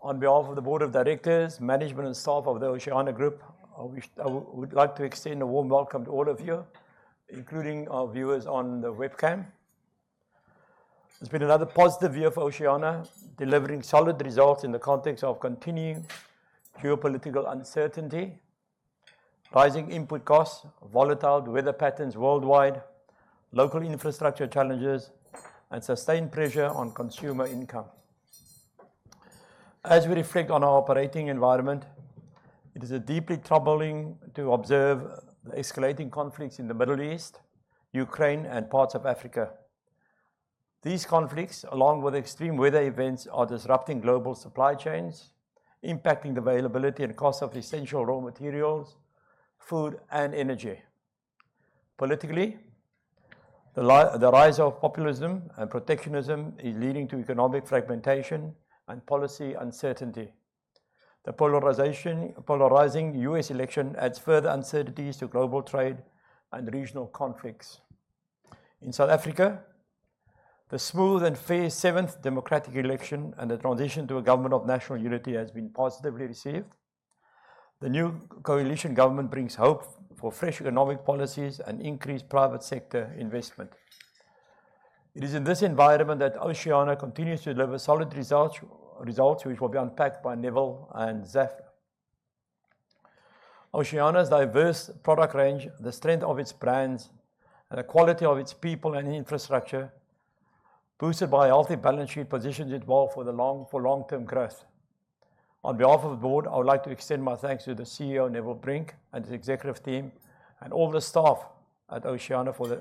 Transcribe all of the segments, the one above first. On behalf of the Board of Directors, Management, and Staff of the Oceana Group, I would like to extend a warm welcome to all of you, including our viewers on the webcam. It's been another positive year for Oceana, delivering solid results in the context of continuing geopolitical uncertainty, rising input costs, volatile weather patterns worldwide, local infrastructure challenges, and sustained pressure on consumer income. As we reflect on our operating environment, it is deeply troubling to observe the escalating conflicts in the Middle East, Ukraine, and parts of Africa. These conflicts, along with extreme weather events, are disrupting global supply chains, impacting the availability and cost of essential raw materials, food, and energy. Politically, the rise of populism and protectionism is leading to economic fragmentation and policy uncertainty. The polarizing U.S. election adds further uncertainties to global trade and regional conflicts. In South Africa, the smooth and fair seventh democratic election and the transition to a government of national unity have been positively received. The new coalition government brings hope for fresh economic policies and increased private sector investment. It is in this environment that Oceana continues to deliver solid results, which will be unpacked by Neville and Zaf. Oceana's diverse product range, the strength of its brands, and the quality of its people and infrastructure, boosted by a healthy balance sheet, position it well for long-term growth. On behalf of the board, I would like to extend my thanks to the CEO, Neville Brink, and his executive team, and all the staff at Oceana for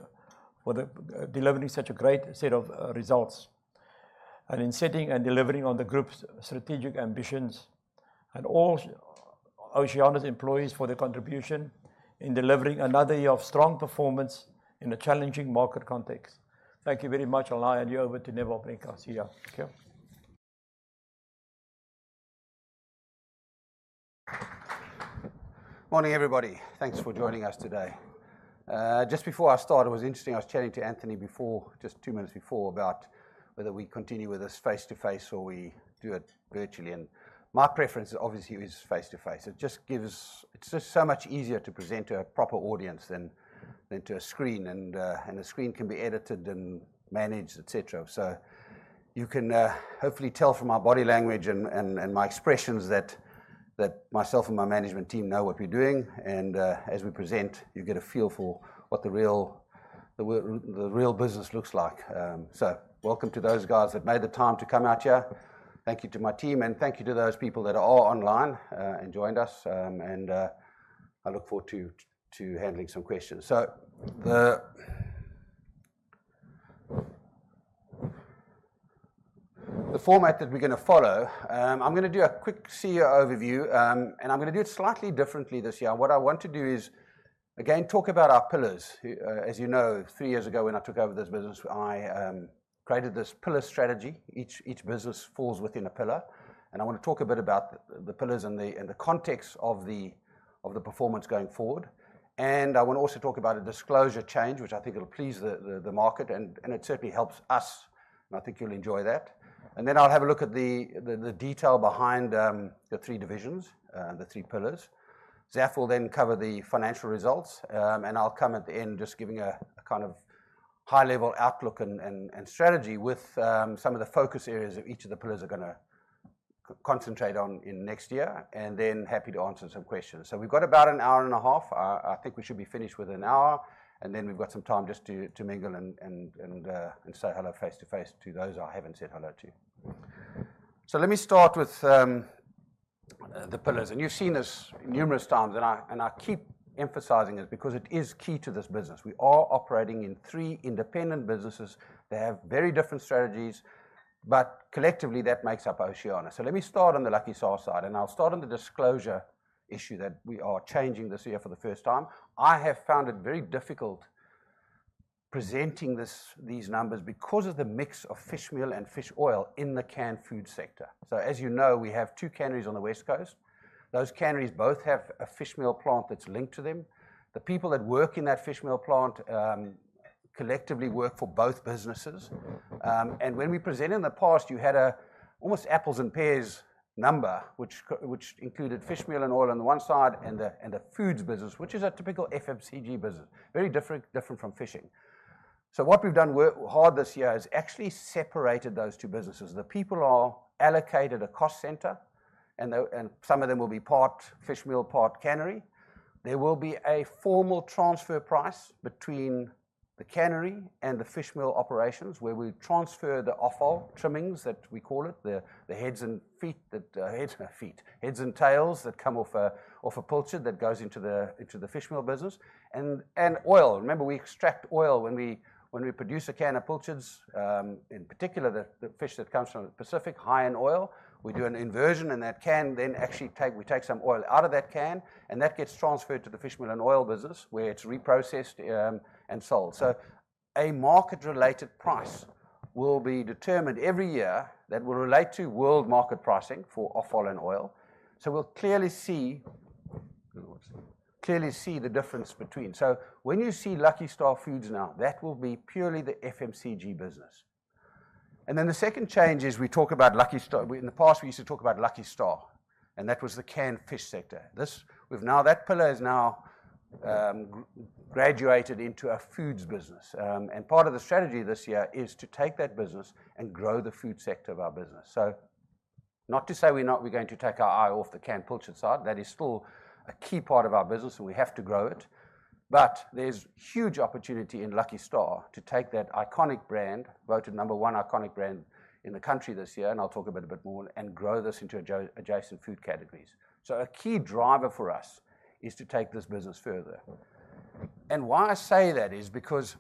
delivering such a great set of results, and in setting and delivering on the group's strategic ambitions, and all Oceana's employees for their contribution in delivering another year of strong performance in a challenging market context. Thank you very much. I'll now hand you over to Neville Brink. I'll see you. Thank you. Morning, everybody. Thanks for joining us today. Just before I start, it was interesting I was chatting to Anthony just two minutes before about whether we continue with this face-to-face or we do it virtually. And my preference, obviously, is face-to-face. It's just so much easier to present to a proper audience than to a screen, and the screen can be edited and managed, etc. So you can hopefully tell from my body language and my expressions that myself and my management team know what we're doing. And as we present, you get a feel for what the real business looks like. So welcome to those guys that made the time to come out here. Thank you to my team, and thank you to those people that are online and joined us. And I look forward to handling some questions. So the format that we're going to follow. I'm going to do a quick CEO overview, and I'm going to do it slightly differently this year. What I want to do is, again, talk about our pillars. As you know, three years ago when I took over this business, I created this pillar strategy. Each business falls within a pillar. And I want to talk a bit about the pillars and the context of the performance going forward. And I want to also talk about a disclosure change, which I think will please the market, and it certainly helps us. And I think you'll enjoy that. And then I'll have a look at the detail behind the three divisions, the three pillars. Zaf will then cover the financial results, and I'll come at the end just giving a kind of high-level outlook and strategy with some of the focus areas that each of the pillars are going to concentrate on in next year, and then happy to answer some questions. So we've got about an hour and a half. I think we should be finished within an hour. And then we've got some time just to mingle and say hello face-to-face to those I haven't said hello to. So let me start with the pillars. And you've seen this numerous times, and I keep emphasizing this because it is key to this business. We are operating in three independent businesses. They have very different strategies, but collectively, that makes up Oceana. So let me start on the Lucky Star side. I'll start on the disclosure issue that we are changing this year for the first time. I have found it very difficult presenting these numbers because of the mix of fish meal and fish oil in the canned food sector. As you know, we have two canneries on the West Coast. Those canneries both have a fish meal plant that's linked to them. The people that work in that fish meal plant collectively work for both businesses. When we presented in the past, you had an almost apples and pears number, which included fish meal and oil on the one side and the foods business, which is a typical FMCG business, very different from fishing. What we've done this year is actually separated those two businesses. The people are allocated a cost center, and some of them will be part fish meal, part cannery. There will be a formal transfer price between the cannery and the fish meal operations, where we transfer the offal trimmings, that we call it, the heads and guts, heads and tails that come off a pilchard that goes into the fish meal business, and oil. Remember, we extract oil when we produce a can of pilchards. In particular, the fish that comes from the Pacific, high in oil, we do an extraction, and that can then actually we take some oil out of that can, and that gets transferred to the fish meal and oil business, where it's reprocessed and sold. So a market-related price will be determined every year that will relate to world market pricing for offal and oil. So we'll clearly see the difference between. So when you see Lucky Star Foods now, that will be purely the FMCG business. And then the second change is we talk about Lucky Star. In the past, we used to talk about Lucky Star, and that was the canned fish sector. Now that pillar has now graduated into a foods business. And part of the strategy this year is to take that business and grow the food sector of our business. So not to say we're not going to take our eye off the canned pilchard side. That is still a key part of our business, and we have to grow it. But there's huge opportunity in Lucky Star to take that iconic brand, voted number one iconic brand in the country this year, and I'll talk a bit more and grow this into adjacent food categories. So a key driver for us is to take this business further. And why I say that is because,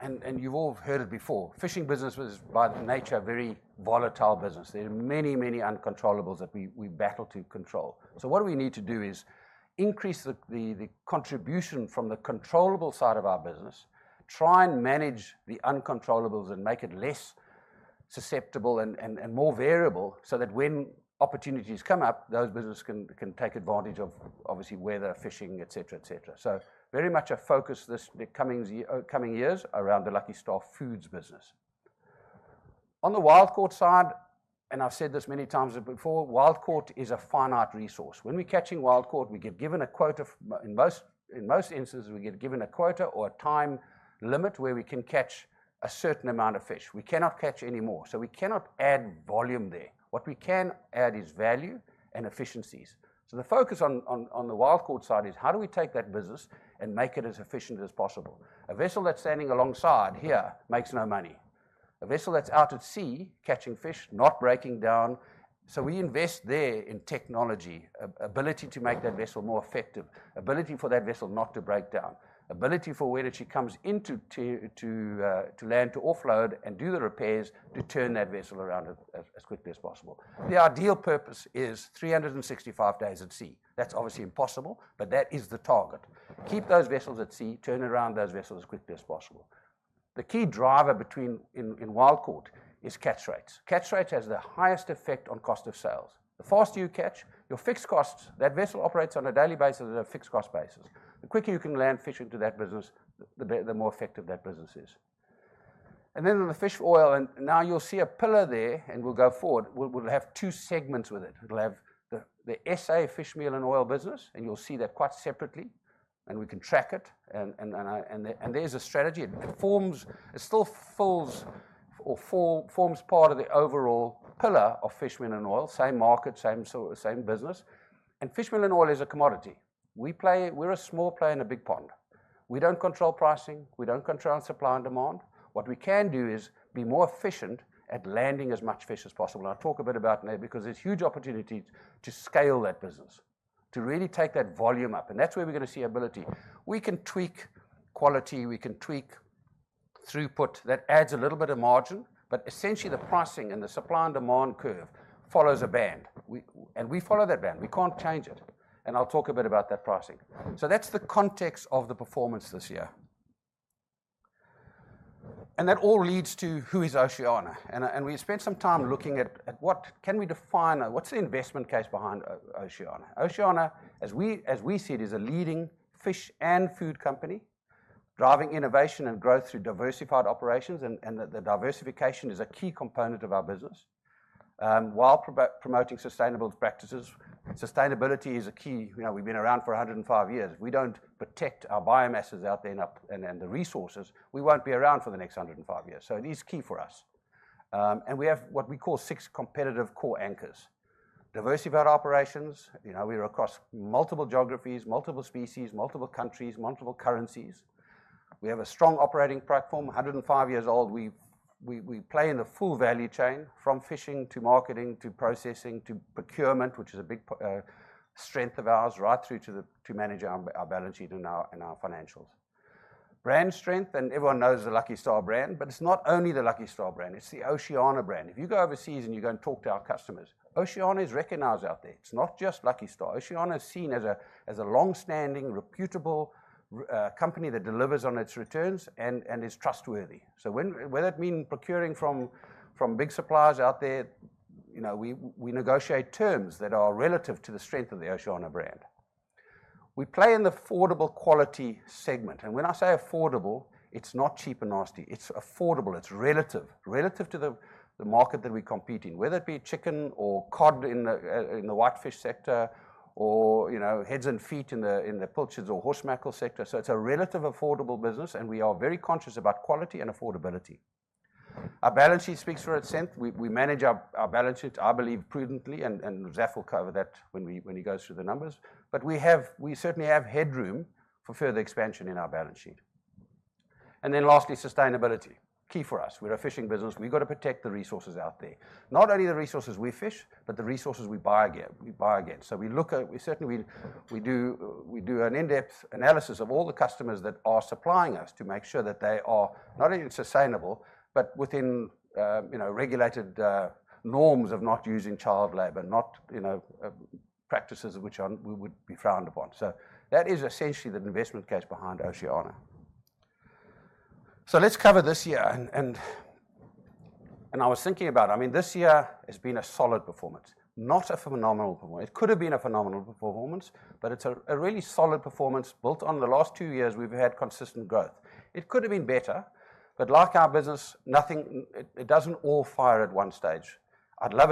and you've all heard it before, the fishing business is by nature a very volatile business. There are many, many uncontrollables that we battle to control. So what we need to do is increase the contribution from the controllable side of our business, try and manage the uncontrollables and make it less susceptible and more variable so that when opportunities come up, those businesses can take advantage of, obviously, weather, fishing, etc, etc. So very much a focus this coming years around the Lucky Star Foods business. On the Wild Caught side, and I've said this many times before, Wild Caught is a finite resource. When we're catching Wild Caught, we get given a quota. In most instances, we get given a quota or a time limit where we can catch a certain amount of fish. We cannot catch any more, so we cannot add volume there. What we can add is value and efficiencies, so the focus on the Wild Caught side is how do we take that business and make it as efficient as possible. A vessel that's standing alongside here makes no money. A vessel that's out at sea catching fish, not breaking down, so we invest there in technology, ability to make that vessel more effective, ability for that vessel not to break down, ability for where it comes into land to offload and do the repairs to turn that vessel around as quickly as possible. The ideal purpose is 365 days at sea. That's obviously impossible, but that is the target. Keep those vessels at sea, turn around those vessels as quickly as possible. The key driver in Wild Caught is catch rates. Catch rates have the highest effect on cost of sales. The faster you catch your fixed costs, that vessel operates on a daily basis on a fixed cost basis. The quicker you can land fish into that business, the more effective that business is. And then on the fish oil, and now you'll see a pillar there, and we'll go forward, we'll have two segments with it. It'll have the SA fish meal and oil business, and you'll see that quite separately, and we can track it. And there's a strategy. It still forms part of the overall pillar of fish meal and oil, same market, same business. And fish meal and oil is a commodity. We're a small player in a big pond. We don't control pricing. We don't control supply and demand. What we can do is be more efficient at landing as much fish as possible. I'll talk a bit about that because there's huge opportunities to scale that business, to really take that volume up. And that's where we're going to see scalability. We can tweak quality. We can tweak throughput. That adds a little bit of margin. But essentially, the pricing and the supply and demand curve follows a band. And we follow that band. We can't change it. And I'll talk a bit about that pricing. So that's the context of the performance this year. And that all leads to who is Oceana. And we spent some time looking at what can we define, what's the investment case behind Oceana. Oceana, as we see it, is a leading fish and food company, driving innovation and growth through diversified operations. And the diversification is a key component of our business. While promoting sustainable practices, sustainability is a key. We've been around for 105 years. If we don't protect our biomasses out there and the resources, we won't be around for the next 105 years, so it is key for us, and we have what we call six competitive core anchors. Diversified operations. We're across multiple geographies, multiple species, multiple countries, multiple currencies. We have a strong operating platform, 105 years old. We play in the full value chain from fishing to marketing to processing to procurement, which is a big strength of ours, right through to manage our balance sheet and our financials. Brand strength, and everyone knows the Lucky Star brand, but it's not only the Lucky Star brand. It's the Oceana brand. If you go overseas and you go and talk to our customers, Oceana is recognized out there. It's not just Lucky Star. Oceana is seen as a long-standing, reputable company that delivers on its returns and is trustworthy. So whether it means procuring from big suppliers out there, we negotiate terms that are relative to the strength of the Oceana brand. We play in the affordable quality segment. And when I say affordable, it's not cheap and nasty. It's affordable. It's relative to the market that we compete in, whether it be chicken or cod in the whitefish sector or heads and feet in the pilchards or horse mackerel sector. So it's a relatively affordable business, and we are very conscious about quality and affordability. Our balance sheet speaks for itself. We manage our balance sheet, I believe, prudently, and Zaf will cover that when he goes through the numbers. But we certainly have headroom for further expansion in our balance sheet. And then lastly, sustainability. Key for us. We're a fishing business. We've got to protect the resources out there. Not only the resources we fish, but the resources we buy again, so we certainly do an in-depth analysis of all the customers that are supplying us to make sure that they are not only sustainable, but within regulated norms of not using child labor, not practices which we would be frowned upon, so that is essentially the investment case behind Oceana, so let's cover this year, and I was thinking about it. I mean, this year has been a solid performance, not a phenomenal performance. It could have been a phenomenal performance, but it's a really solid performance built on the last two years we've had consistent growth. It could have been better, but like our business, it doesn't all fire at one stage. I'd love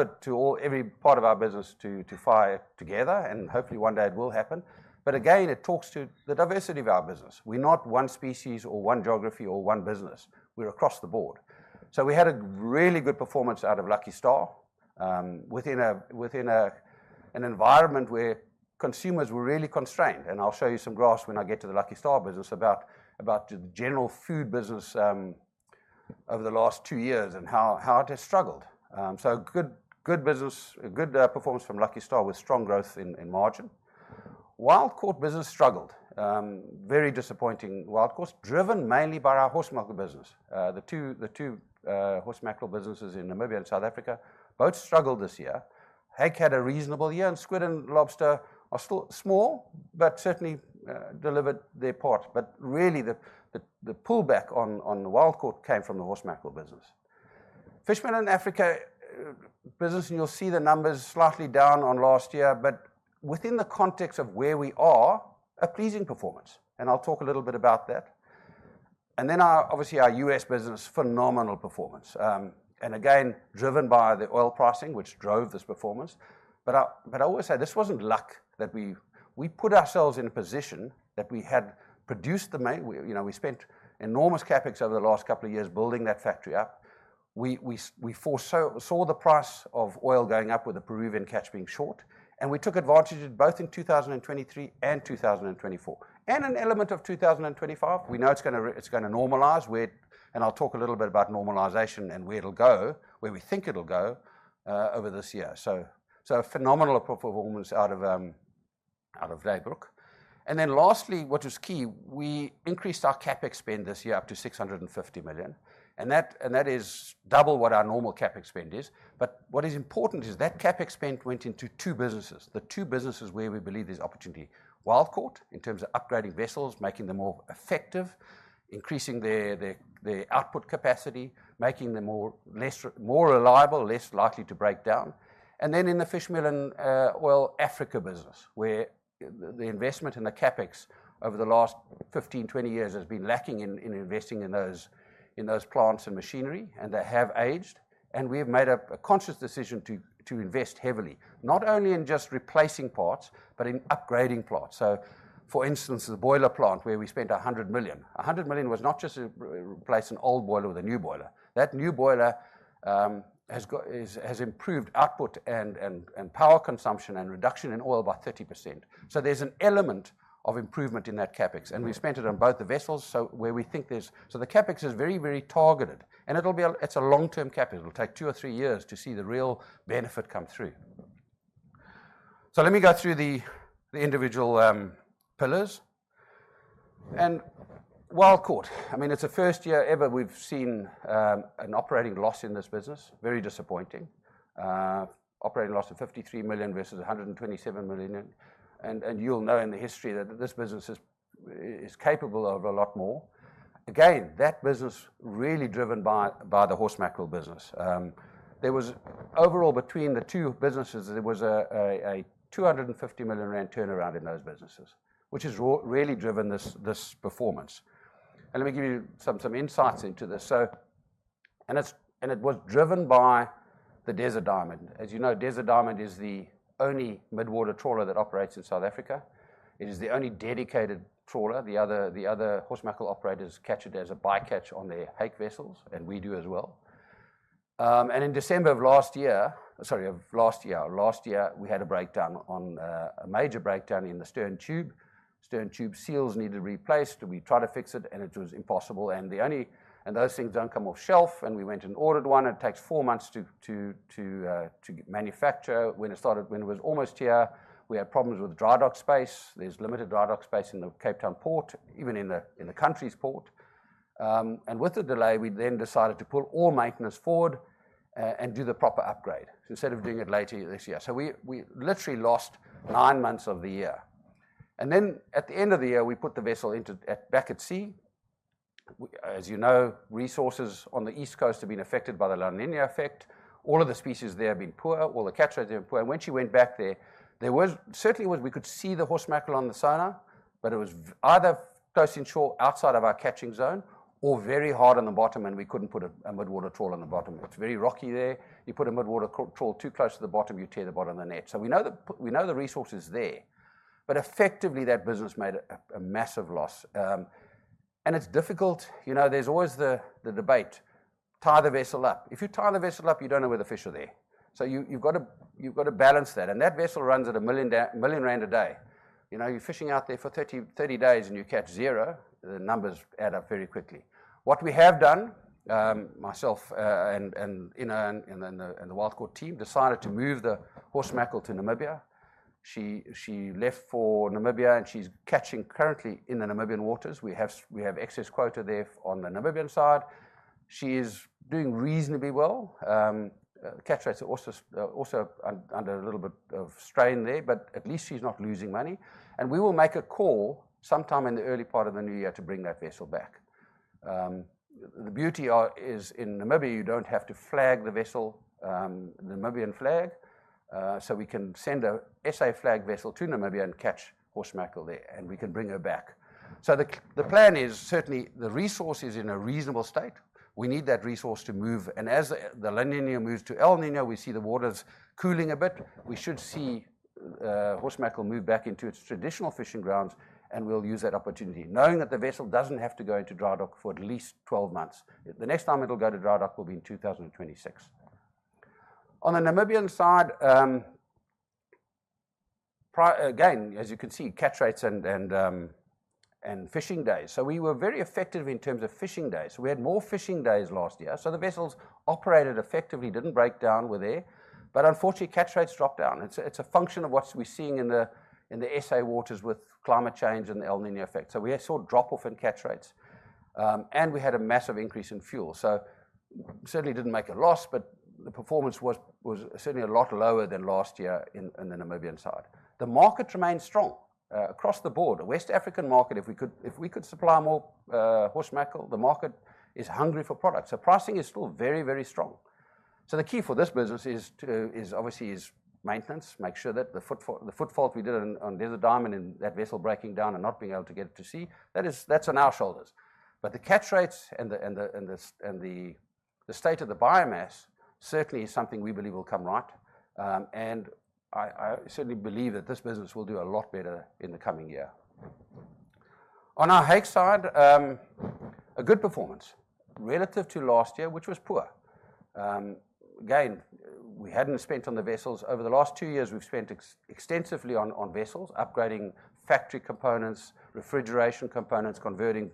every part of our business to fire together, and hopefully one day it will happen. But again, it talks to the diversity of our business. We're not one species or one geography or one business. We're across the board. So we had a really good performance out of Lucky Star within an environment where consumers were really constrained. And I'll show you some graphs when I get to the Lucky Star business about the general food business over the last two years and how it has struggled. So good performance from Lucky Star with strong growth in margin. Wild Caught business struggled. Very disappointing Wild Caught, driven mainly by our horse mackerel business. The two horse mackerel businesses in Namibia and South Africa both struggled this year. Hake had a reasonable year, and squid and lobster are still small, but certainly delivered their part. But really, the pullback on Wild Caught came from the horse mackerel business. Fish meal and Africa business, and you'll see the numbers slightly down on last year, but within the context of where we are, a pleasing performance. And I'll talk a little bit about that. And then obviously our U.S. business, phenomenal performance. And again, driven by the oil pricing, which drove this performance. But I always say this wasn't luck that we put ourselves in a position that we spent enormous CapEx over the last couple of years building that factory up. We saw the price of oil going up with the Peruvian catch being short, and we took advantage of it both in 2023 and 2024, and an element of 2025. We know it's going to normalize, and I'll talk a little bit about normalization and where it'll go, where we think it'll go over this year. So phenomenal performance out of Daybrook. And then lastly, what was key, we increased our CapEx spend this year up to 650 million. And that is double what our normal CapEx spend is. But what is important is that CapEx spend went into two businesses, the two businesses where we believe there's opportunity. Wild Caught, in terms of upgrading vessels, making them more effective, increasing their output capacity, making them more reliable, less likely to break down. And then in the fish meal and oil Africa business, where the investment in the CapEx over the last 15, 20 years has been lacking in investing in those plants and machinery, and they have aged. And we've made a conscious decision to invest heavily, not only in just replacing parts, but in upgrading parts. So for instance, the boiler plant where we spent 100 million. 100 million was not just to replace an old boiler with a new boiler. That new boiler has improved output and power consumption and reduction in oil by 30%, so there's an element of improvement in that CapEx, and we've spent it on both the vessels, so where we think there's the CapEx is very, very targeted, and it's a long-term CapEx. It'll take two or three years to see the real benefit come through, so let me go through the individual pillars, and Wild Caught. I mean, it's the first year ever we've seen an operating loss in this business. Very disappointing. Operating loss of 53 million versus 127 million, and you'll know in the history that this business is capable of a lot more. Again, that business really driven by the horse mackerel business. Overall, between the two businesses, there was a 250 million rand turnaround in those businesses, which has really driven this performance. Let me give you some insights into this. It was driven by the DESERT DIAMOND. As you know, DESERT DIAMOND is the only midwater trawler that operates in South Africa. It is the only dedicated trawler. The other horse mackerel operators catch it as a bycatch on their hake vessels, and we do as well. In December of last year, we had a breakdown, a major breakdown in the stern tube. Stern tube seals needed replaced. We tried to fix it, and it was impossible. Those things don't come off the shelf. We went and ordered one. It takes four months to manufacture. When it was almost here, we had problems with dry dock space. There's limited dry dock space in the Cape Town Port, even in the country's port, and with the delay, we then decided to pull all maintenance forward and do the proper upgrade instead of doing it later this year, so we literally lost nine months of the year, and then at the end of the year, we put the vessel back at sea. As you know, resources on the East Coast have been affected by the La Niña effect. All of the species there have been poor. All the catch rates have been poor, and when she went back there, certainly we could see the horse mackerel on the sonar, but it was either close in shore outside of our catching zone or very hard on the bottom, and we couldn't put a midwater trawler on the bottom. It's very rocky there. You put a midwater trawler too close to the bottom, you tear the bottom of the net, so we know the resources there, but effectively, that business made a massive loss, and it's difficult. There's always the debate, tie the vessel up. If you tie the vessel up, you don't know where the fish are there, so you've got to balance that, and that vessel runs at 1 million rand a day. You're fishing out there for 30 days, and you catch zero. The numbers add up very quickly. What we have done, myself and the West Coast team, decided to move the horse mackerel to Namibia. She left for Namibia, and she's catching currently in the Namibian waters. We have excess quota there on the Namibian side. She is doing reasonably well. Catch rates are also under a little bit of strain there, but at least she's not losing money. We will make a call sometime in the early part of the new year to bring that vessel back. The beauty is in Namibia. You don't have to flag the vessel, the Namibian flag. We can send an SA flag vessel to Namibia and catch horse mackerel there, and we can bring her back. The plan is certainly the resource is in a reasonable state. We need that resource to move. As the La Niña moves to El Niño, we see the waters cooling a bit. We should see horse mackerel move back into its traditional fishing grounds, and we'll use that opportunity, knowing that the vessel doesn't have to go into dry dock for at least 12 months. The next time it'll go to dry dock will be in 2026. On the Namibian side, again, as you can see, catch rates and fishing days. So we were very effective in terms of fishing days. We had more fishing days last year. So the vessels operated effectively, didn't break down, were there. But unfortunately, catch rates dropped down. It's a function of what we're seeing in the SA waters with climate change and the La Niña effect. So we saw drop-off in catch rates. And we had a massive increase in fuel. So certainly didn't make a loss, but the performance was certainly a lot lower than last year on the Namibian side. The market remained strong across the board. The West African market, if we could supply more horse mackerel, the market is hungry for products. The pricing is still very, very strong. The key for this business is obviously maintenance, make sure that the refit we did on DESERT DIAMOND and that vessel breaking down and not being able to get it to sea, that's on our shoulders. The catch rates and the state of the biomass certainly is something we believe will come right. I certainly believe that this business will do a lot better in the coming year. On our hake side, a good performance relative to last year, which was poor. Again, we hadn't spent on the vessels. Over the last two years, we've spent extensively on vessels, upgrading factory components, refrigeration components, converting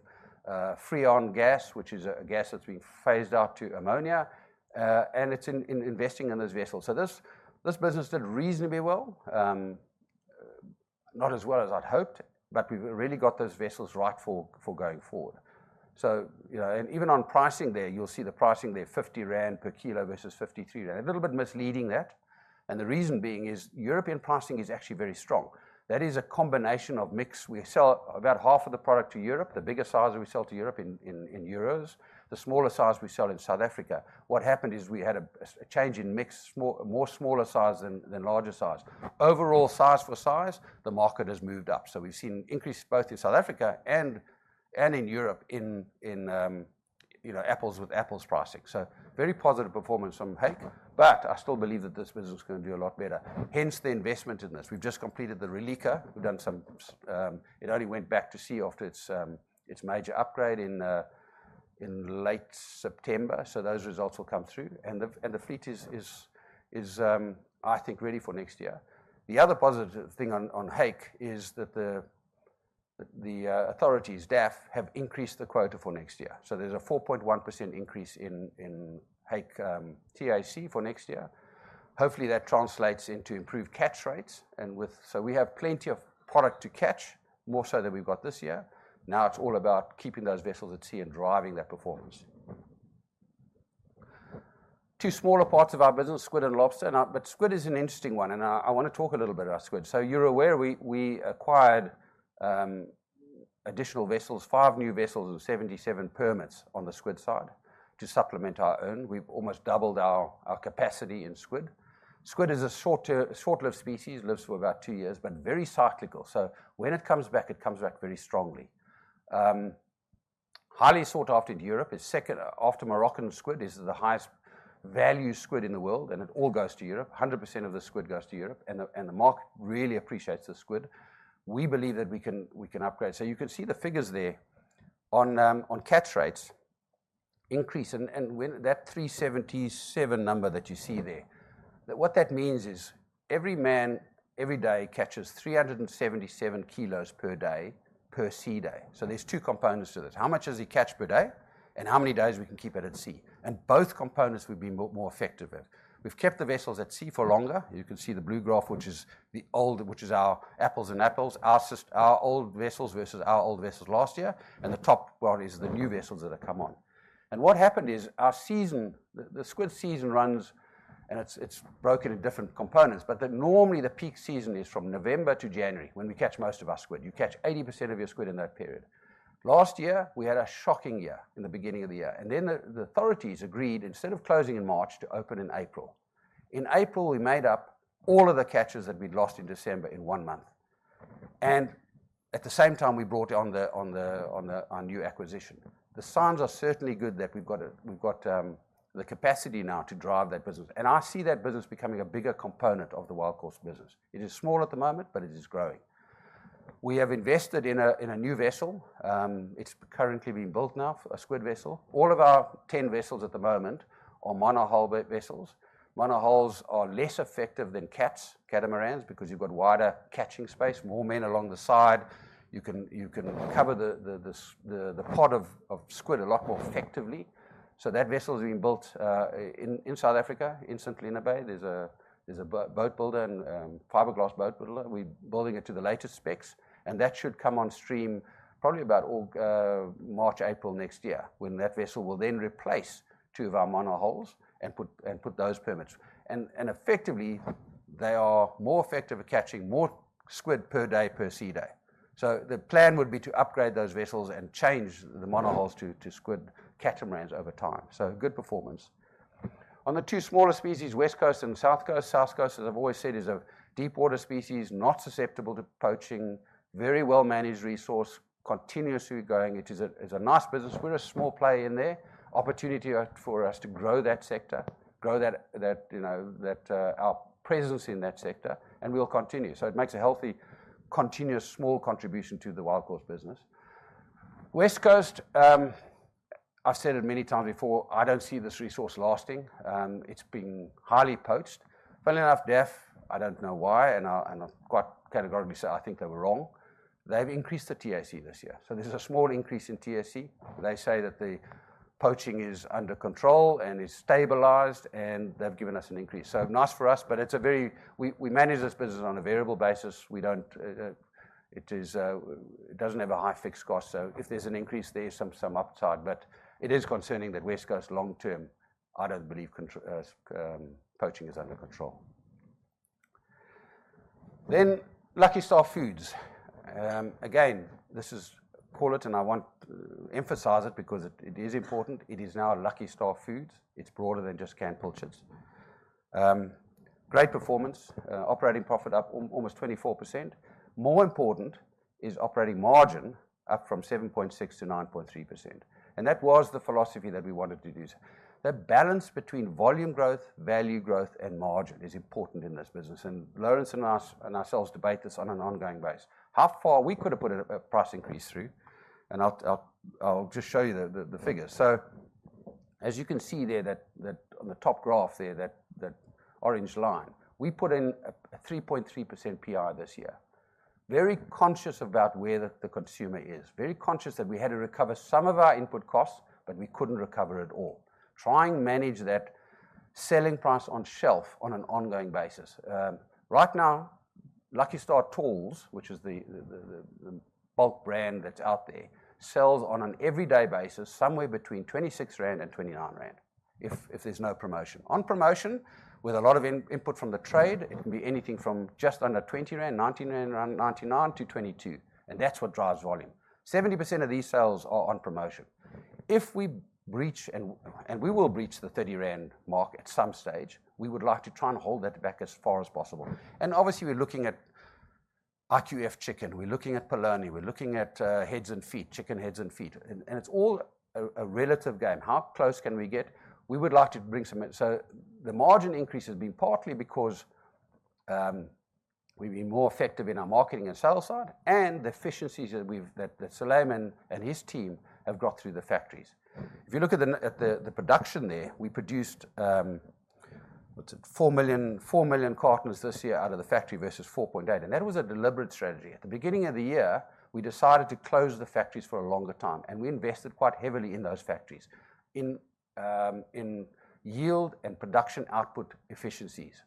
freon gas, which is a gas that's being phased out to ammonia, and investing in those vessels. This business did reasonably well. Not as well as I'd hoped, but we've really got those vessels right for going forward. Even on pricing there, you'll see the pricing there, 50 rand per kilo versus 53 rand. A little bit misleading that. The reason being is European pricing is actually very strong. That is a combination of mix. We sell about half of the product to Europe. The bigger size we sell to Europe in euros. The smaller size we sell in South Africa. What happened is we had a change in mix, more smaller size than larger size. Overall, size for size, the market has moved up. So we've seen an increase both in South Africa and in Europe in apples with apples pricing. So very positive performance from hake. But I still believe that this business is going to do a lot better. Hence the investment in this. We've just completed the REALEKA. We've done some. It only went back to sea after its major upgrade in late September, so those results will come through, and the fleet is, I think, ready for next year. The other positive thing on hake is that the authorities, DAFF, have increased the quota for next year, so there's a 4.1% increase in hake TAC for next year. Hopefully, that translates into improved catch rates, and so we have plenty of product to catch, more so than we've got this year. Now it's all about keeping those vessels at sea and driving that performance. Two smaller parts of our business, squid and lobster, but squid is an interesting one, and I want to talk a little bit about squid, so you're aware, we acquired additional vessels, five new vessels and 77 permits on the squid side to supplement our own. We've almost doubled our capacity in squid. Squid is a short-lived species, lives for about two years, but very cyclical. So when it comes back, it comes back very strongly. Highly sought after in Europe. After Moroccan squid, it is the highest value squid in the world. And it all goes to Europe. 100% of the squid goes to Europe. And the market really appreciates the squid. We believe that we can upgrade. So you can see the figures there on catch rates increase. And that 377 number that you see there, what that means is every man every day catches 377 kilos per day per-sea-day. So there's two components to this. How much does he catch per day and how many days we can keep it at sea? And both components would be more effective if we've kept the vessels at sea for longer. You can see the blue graph, which is our apples to apples, our old vessels versus our old vessels last year, and the top one is the new vessels that have come on. What happened is our season, the squid season runs, and it's broken in different components, but normally, the peak season is from November to January when we catch most of our squid. You catch 80% of your squid in that period. Last year, we had a shocking year in the beginning of the year, and then the authorities agreed, instead of closing in March, to open in April. In April, we made up all of the catches that we'd lost in December in one month, and at the same time, we brought on our new acquisition. The signs are certainly good that we've got the capacity now to drive that business. I see that business becoming a bigger component of the Wild Caught business. It is small at the moment, but it is growing. We have invested in a new vessel. It's currently being built now, a squid vessel. All of our 10 vessels at the moment are monohull vessels. Monohulls are less effective than cats, catamarans, because you've got wider catching space, more men along the side. You can cover the pod of squid a lot more effectively. That vessel is being built in South Africa, in St Helena Bay. There's a boat builder, a fiberglass boat builder. We're building it to the latest specs. That should come on stream probably about March, April next year, when that vessel will then replace two of our monohulls and put those permits. Effectively, they are more effective at catching more squid per day per sea day. The plan would be to upgrade those vessels and change the monohulls to squid catamarans over time. Good performance. On the two smaller species, West Coast and South Coast, South Coast, as I've always said, is a deep-water species, not susceptible to poaching, very well-managed resource, continuously growing. It is a nice business. We're a small player in there. Opportunity for us to grow that sector, grow our presence in that sector. We'll continue. It makes a healthy, continuous small contribution to the Wild Caught business. West Coast, I've said it many times before, I don't see this resource lasting. It's been highly poached. Funnily enough, DAFF, I don't know why, and I'll quite categorically say I think they were wrong. They've increased the TAC this year. There's a small increase in TAC. They say that the poaching is under control and is stabilized, and they've given us an increase. So nice for us, but we manage this business on a variable basis. It doesn't have a high fixed cost. So if there's an increase, there's some upside. But it is concerning that West Coast, long-term, I don't believe poaching is under control. Then Lucky Star Foods. Again, this is call it, and I want to emphasize it because it is important. It is now Lucky Star Foods. It's broader than just canned pilchards. Great performance, operating profit up almost 24%. More important is operating margin up from 7.6% to 9.3%. And that was the philosophy that we wanted to do. The balance between volume growth, value growth, and margin is important in this business. And Lawrence and I ourselves debate this on an ongoing basis. How far we could have put a price increase through? And I'll just show you the figures. So as you can see there, on the top graph there, that orange line, we put in a 3.3% PR this year. Very conscious about where the consumer is. Very conscious that we had to recover some of our input costs, but we couldn't recover at all. Trying to manage that selling price on shelf on an ongoing basis. Right now, Lucky Star Foods, which is the bulk brand that's out there, sells on an everyday basis somewhere between 26 rand and 29 rand if there's no promotion. On promotion, with a lot of input from the trade, it can be anything from just under 20 rand, 19.99 rand to 22. And that's what drives volume. 70% of these sales are on promotion. If we breach, and we will breach the 30 rand mark at some stage, we would like to try and hold that back as far as possible, and obviously, we're looking at IQF chicken. We're looking at polony. We're looking at heads and feet, chicken heads and feet. And it's all a relative game. How close can we get? We would like to bring some, so the margin increase has been partly because we've been more effective in our marketing and sales side and the efficiencies that Suleiman and his team have got through the factories. If you look at the production there, we produced 4 million cartons this year out of the factory versus 4.8 million, and that was a deliberate strategy. At the beginning of the year, we decided to close the factories for a longer time. And we invested quite heavily in those factories in yield and production output efficiencies,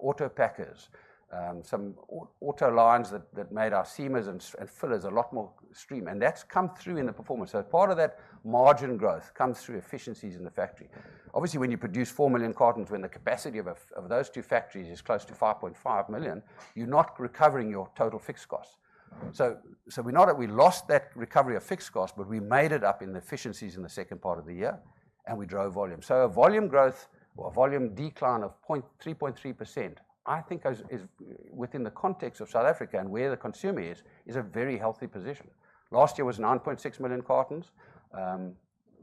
auto packers, some auto lines that made our seamers and fillers a lot more streamlined. And that's come through in the performance. So part of that margin growth comes through efficiencies in the factory. Obviously, when you produce 4 million cartons, when the capacity of those two factories is close to 5.5 million, you're not recovering your total fixed costs. So we lost that recovery of fixed costs, but we made it up in the efficiencies in the second part of the year. And we drove volume. So a volume growth or a volume decline of 3.3%, I think is within the context of South Africa and where the consumer is, is a very healthy position. Last year was 9.6 million cartons.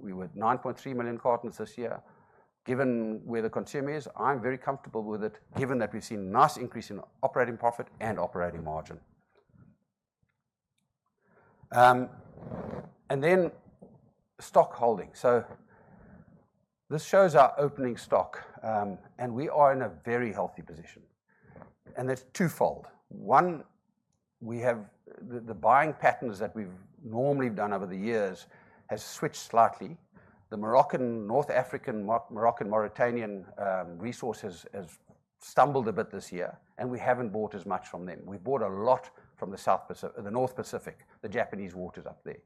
We were 9.3 million cartons this year. Given where the consumer is, I'm very comfortable with it, given that we've seen a nice increase in operating profit and operating margin, and then stock holding, so this shows our opening stock, and we are in a very healthy position, and it's twofold. One, the buying patterns that we've normally done over the years have switched slightly. The Moroccan, North African, Moroccan, Mauritanian resources have stumbled a bit this year, and we haven't bought as much from them. We've bought a lot from the North Pacific, the Japanese waters up there.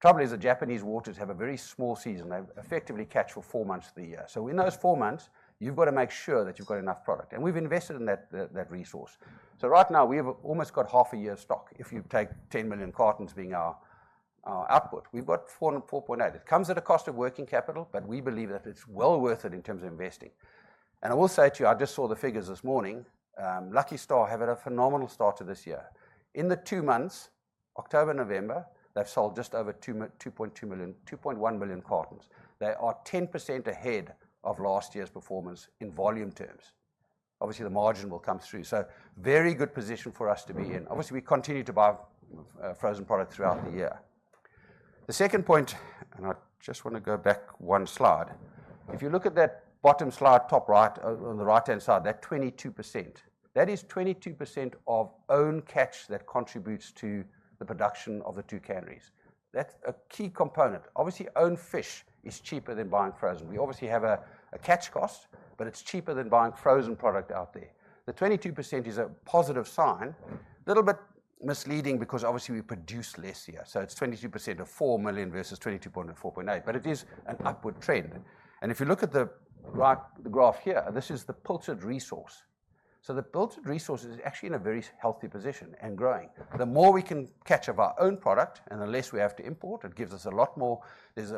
Trouble is the Japanese waters have a very small season. They effectively catch for four months of the year, so in those four months, you've got to make sure that you've got enough product, and we've invested in that resource. So right now, we've almost got half a year of stock. If you take 10 million cartons being our output, we've got 4.8 million. It comes at a cost of working capital, but we believe that it's well worth it in terms of investing. And I will say to you, I just saw the figures this morning. Lucky Star have had a phenomenal start to this year. In the two months, October and November, they've sold just over 2.1 million cartons. They are 10% ahead of last year's performance in volume terms. Obviously, the margin will come through. So very good position for us to be in. Obviously, we continue to buy frozen product throughout the year. The second point, and I just want to go back one slide. If you look at that bottom slide, top right, on the right-hand side, that 22%, that is 22% of own catch that contributes to the production of the two canneries. That's a key component. Obviously, own fish is cheaper than buying frozen. We obviously have a catch cost, but it's cheaper than buying frozen product out there. The 22% is a positive sign. A little bit misleading because obviously we produce less here. So it's 22% of 4 million versus 22% of 4.8 million, but it is an upward trend, and if you look at the graph here, this is the pilchard resource. So the pilchard resource is actually in a very healthy position and growing. The more we can catch of our own product and the less we have to import, it gives us a lot more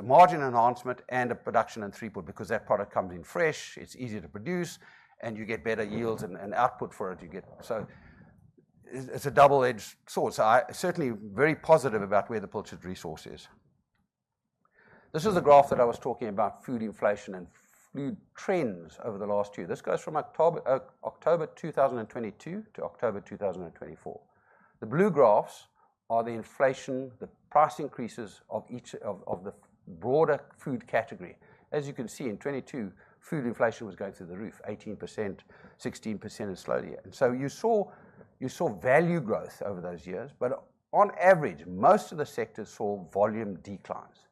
margin enhancement and a production in three-quarters because that product comes in fresh. It's easier to produce, and you get better yields and output for it. So it's a double-edged sword, so I'm certainly very positive about where the pilchard resource is. This is the graph that I was talking about, food inflation and food trends over the last year. This goes from October 2022 to October 2024. The blue graphs are the inflation, the price increases of the broader food category. As you can see, in 2022, food inflation was going through the roof, 18%, 16%, and slowly, so you saw value growth over those years. But on average, most of the sectors saw volume declines.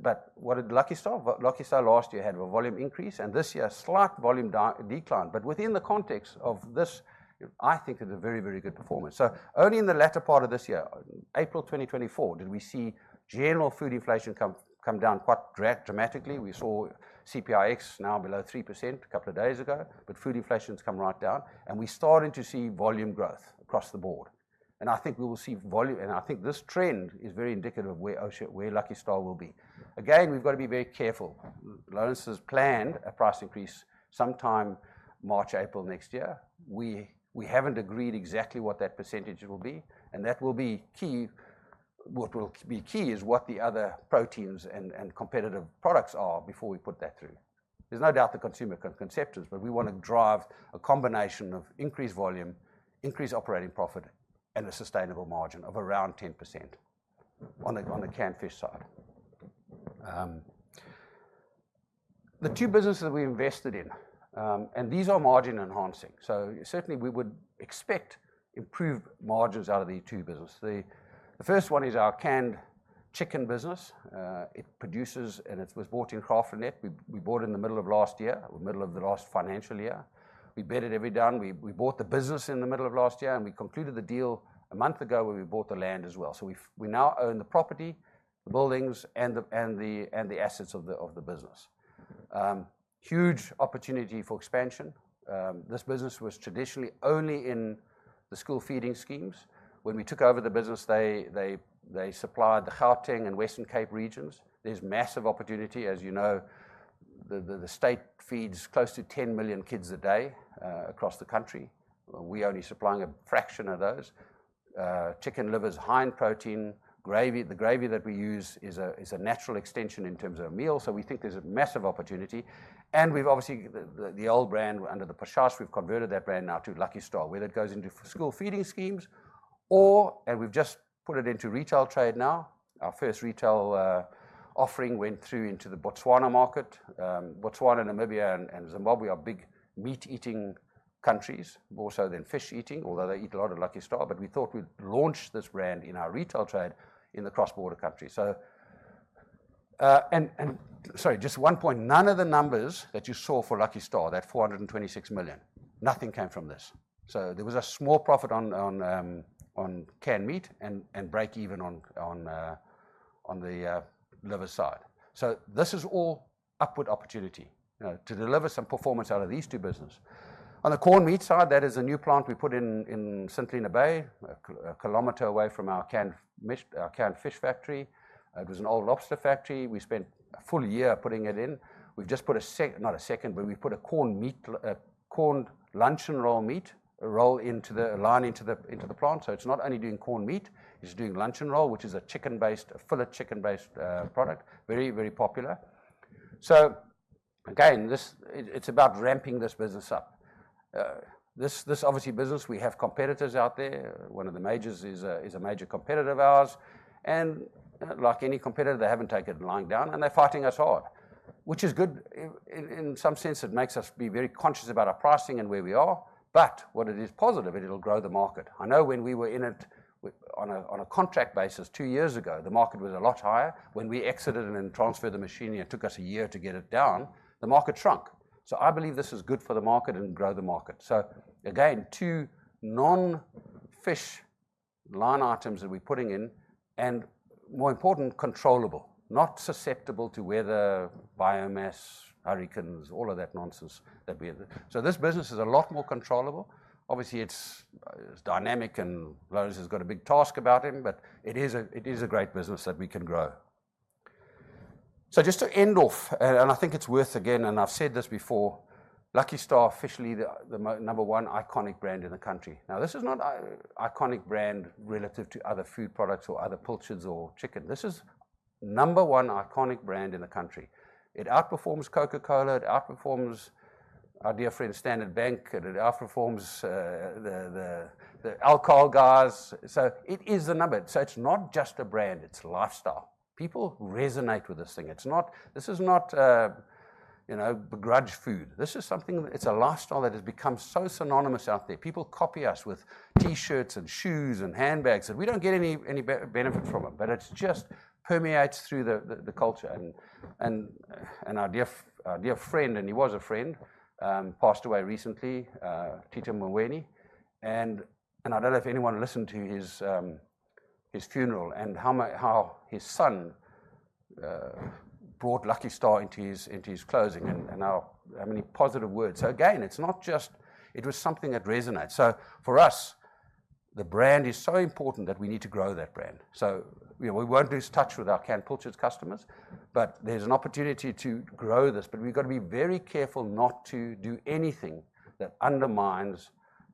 But what did Lucky Star? Lucky Star last year had a volume increase, and this year, slight volume decline. But within the context of this, I think it's a very, very good performance. Only in the latter part of this year, April 2024, did we see general food inflation come down quite dramatically. We saw CPIX now below 3% a couple of days ago. But food inflation's come right down. And we're starting to see volume growth across the board. And I think we will see volume. And I think this trend is very indicative of where Lucky Star will be. Again, we've got to be very careful. Lawrence has planned a price increase sometime March, April next year. We haven't agreed exactly what that percentage will be. And that will be key. What will be key is what the other proteins and competitive products are before we put that through. There's no doubt the consumer can conceptualize. But we want to drive a combination of increased volume, increased operating profit, and a sustainable margin of around 10% on the canned fish side. The two businesses we invested in, and these are margin enhancing. So certainly, we would expect improved margins out of the two businesses. The first one is our canned chicken business. It produces, and it was bought in Graaff-Reinet. We bought it in the middle of last year, middle of the last financial year. We bedded everything down. We bought the business in the middle of last year. We concluded the deal a month ago where we bought the land as well. So we now own the property, the buildings, and the assets of the business. Huge opportunity for expansion. This business was traditionally only in the school feeding schemes. When we took over the business, they supplied the Gauteng and Western Cape regions. There's massive opportunity. As you know, the state feeds close to 10 million kids a day across the country. We're only supplying a fraction of those. Chicken livers, high protein, gravy. The gravy that we use is a natural extension in terms of a meal. So we think there's a massive opportunity. And we've obviously, the old brand under the Pasha's, we've converted that brand now to Lucky Star, whether it goes into school feeding schemes or, and we've just put it into retail trade now. Our first retail offering went through into the Botswana market. Botswana, Namibia, and Zimbabwe are big meat-eating countries, more so than fish-eating, although they eat a lot of Lucky Star. But we thought we'd launch this brand in our retail trade in the cross-border country. And sorry, just one point. None of the numbers that you saw for Lucky Star, that 426 million, nothing came from this. So there was a small profit on canned meat and break-even on the liver side. So this is all upward opportunity to deliver some performance out of these two businesses. On the corned meat side, that is a new plant we put in St Helena Bay, a kilometer away from our canned fish factory. It was an old lobster factory. We spent a full year putting it in. We've just put a second, not a second, but we've put a corned meat, a corned luncheon roll meat roll into the line into the plant. So it's not only doing corned meat, it's doing luncheon roll, which is a chicken-based, a fillet chicken-based product, very, very popular. So again, it's about ramping this business up. This obviously business, we have competitors out there. One of the majors is a major competitor of ours. And like any competitor, they haven't taken it lying down. And they're fighting us hard, which is good. In some sense, it makes us be very conscious about our pricing and where we are. But what is positive, it'll grow the market. I know when we were in it on a contract basis two years ago, the market was a lot higher. When we exited and then transferred the machine, it took us a year to get it down. The market shrunk. So I believe this is good for the market and grow the market. So again, two non-fish line items that we're putting in and, more important, controllable. Not susceptible to weather, biomass, hurricanes, all of that nonsense that we have. So this business is a lot more controllable. Obviously, it's dynamic and Lawrence has got a big task about him, but it is a great business that we can grow. So just to end off, and I think it's worth, again, and I've said this before, Lucky Star officially the number one iconic brand in the country. Now, this is not an iconic brand relative to other food products or other pilchards or chicken. This is number one iconic brand in the country. It outperforms Coca-Cola. It outperforms our dear friend Standard Bank. It outperforms the alcohol guys. So it is the number. So it's not just a brand. It's lifestyle. People resonate with this thing. This is not begrudged food. This is something, it's a lifestyle that has become so synonymous out there. People copy us with T-shirts and shoes and handbags, and we don't get any benefit from it, but it just permeates through the culture, and our dear friend, and he was a friend, passed away recently, Tito Mboweni, and I don't know if anyone listened to his funeral and how his son brought Lucky Star into his clothing and how many positive words. So again, it's not just, it was something that resonates. For us, the brand is so important that we need to grow that brand. We won't lose touch with our canned pilchards customers, but there's an opportunity to grow this. But we've got to be very careful not to do anything that undermines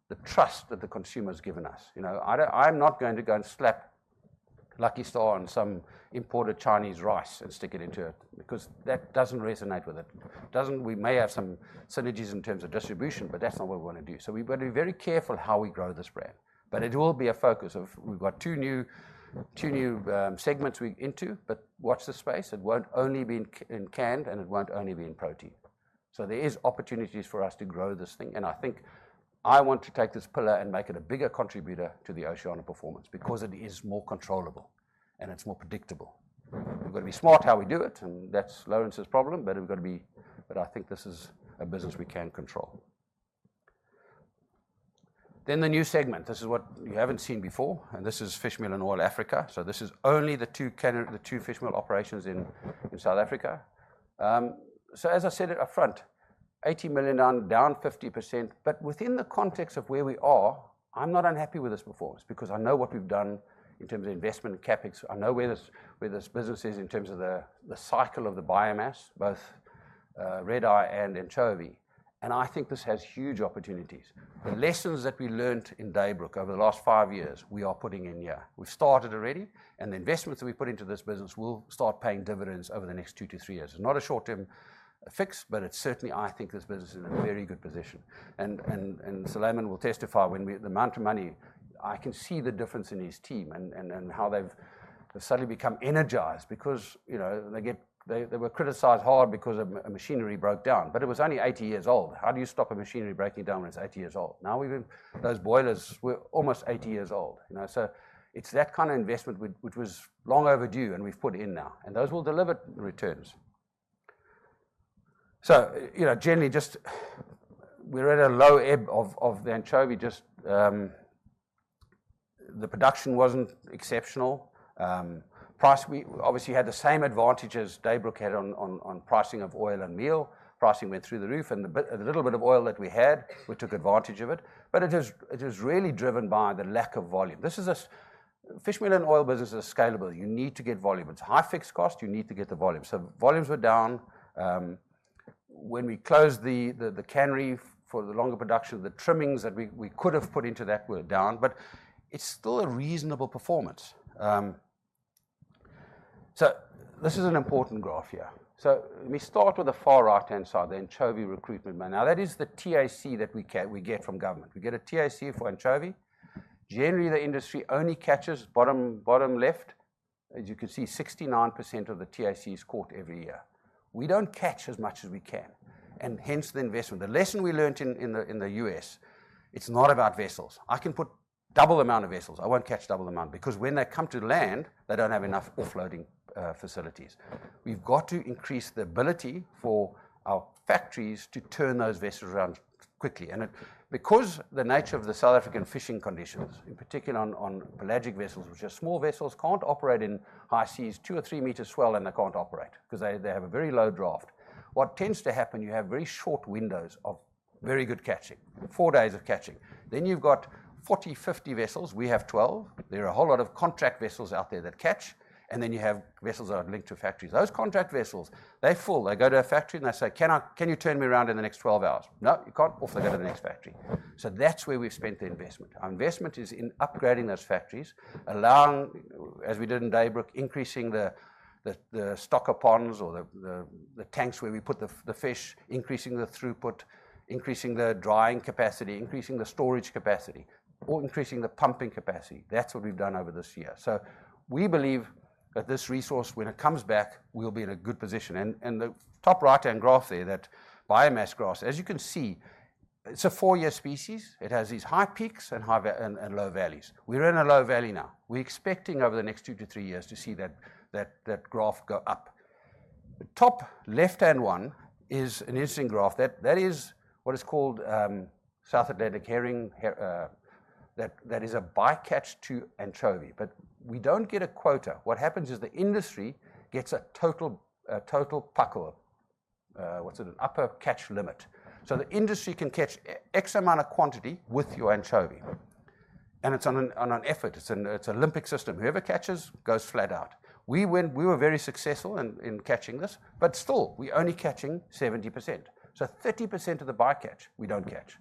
the trust that the consumer has given us. I'm not going to go and slap Lucky Star on some imported Chinese rice and stick it into it because that doesn't resonate with it. We may have some synergies in terms of distribution, but that's not what we want to do. So we've got to be very careful how we grow this brand. But it will be a focus. We've got two new segments we're into. But watch this space. It won't only be in canned and it won't only be in protein. So there are opportunities for us to grow this thing. I think I want to take this pillar and make it a bigger contributor to the Oceana performance because it is more controllable and it's more predictable. We've got to be smart how we do it. That's Lawrence's problem. I think this is a business we can control. The new segment, this is what you haven't seen before. This is Fishmeal and Oil Africa. This is only the two fish meal operations in South Africa. As I said upfront, 80 million down 50%. Within the context of where we are, I'm not unhappy with this performance because I know what we've done in terms of investment and CapEx. I know where this business is in terms of the cycle of the biomass, both Red Eye and anchovy. I think this has huge opportunities. The lessons that we learned in Daybrook over the last five years, we are putting in here. We've started already, and the investments that we put into this business will start paying dividends over the next two to three years. It's not a short-term fix, but it's certainly, I think this business is in a very good position, and Suleiman will testify when the amount of money, I can see the difference in his team and how they've suddenly become energized because they were criticized hard because of machinery broke down, but it was only 80 years old. How do you stop a machinery breaking down when it's 80 years old? Now those boilers were almost 80 years old, so it's that kind of investment which was long overdue and we've put in now, and those will deliver returns, so generally, just we're at a low ebb of the anchovy. Just the production wasn't exceptional. Price, we obviously had the same advantages Daybrook had on pricing of oil and meal. Pricing went through the roof, and a little bit of oil that we had, we took advantage of it, but it is really driven by the lack of volume. Fishmeal and oil business is scalable. You need to get volume. It's a high fixed cost. You need to get the volume, so volumes were down. When we closed the cannery for the longer production, the trimmings that we could have put into that were down, but it's still a reasonable performance. This is an important graph here. We start with the far right-hand side, the anchovy recruitment. Now, that is the TAC that we get from government. We get a TAC for anchovy. Generally, the industry only catches bottom left. As you can see, 69% of the TAC is caught every year. We don't catch as much as we can, and hence the investment. The lesson we learned in the U.S., it's not about vessels. I can put double the amount of vessels. I won't catch double the amount because when they come to land, they don't have enough offloading facilities. We've got to increase the ability for our factories to turn those vessels around quickly, and because the nature of the South African fishing conditions, in particular on pelagic vessels, which are small vessels, can't operate in high seas, two or three meters swell, and they can't operate because they have a very low draft. What tends to happen, you have very short windows of very good catching, four days of catching. Then you've got 40, 50 vessels. We have 12. There are a whole lot of contract vessels out there that catch, and then you have vessels that are linked to factories. Those contract vessels, they're full, they go to a factory and they say, "Can you turn me around in the next 12 hours?" "No, you can't." Off they go to the next factory, so that's where we've spent the investment. Our investment is in upgrading those factories, allowing, as we did in Daybrook, increasing the stocker ponds or the tanks where we put the fish, increasing the throughput, increasing the drying capacity, increasing the storage capacity, or increasing the pumping capacity. That's what we've done over this year, so we believe that this resource, when it comes back, we'll be in a good position, and the top right-hand graph there, that biomass graph, as you can see, it's a four-year species. It has these high peaks and low valleys. We're in a low valley now. We're expecting over the next two to three years to see that graph go up. The top left-hand one is an interesting graph. That is what is called Red Eye. That is a bycatch to anchovy. But we don't get a quota. What happens is the industry gets a total allowable catch. So the industry can catch X amount of quantity with your anchovy. And it's on an effort. It's an Olympic system. Whoever catches goes flat out. We were very successful in catching this, but still, we're only catching 70%. So 30% of the bycatch, we don't catch.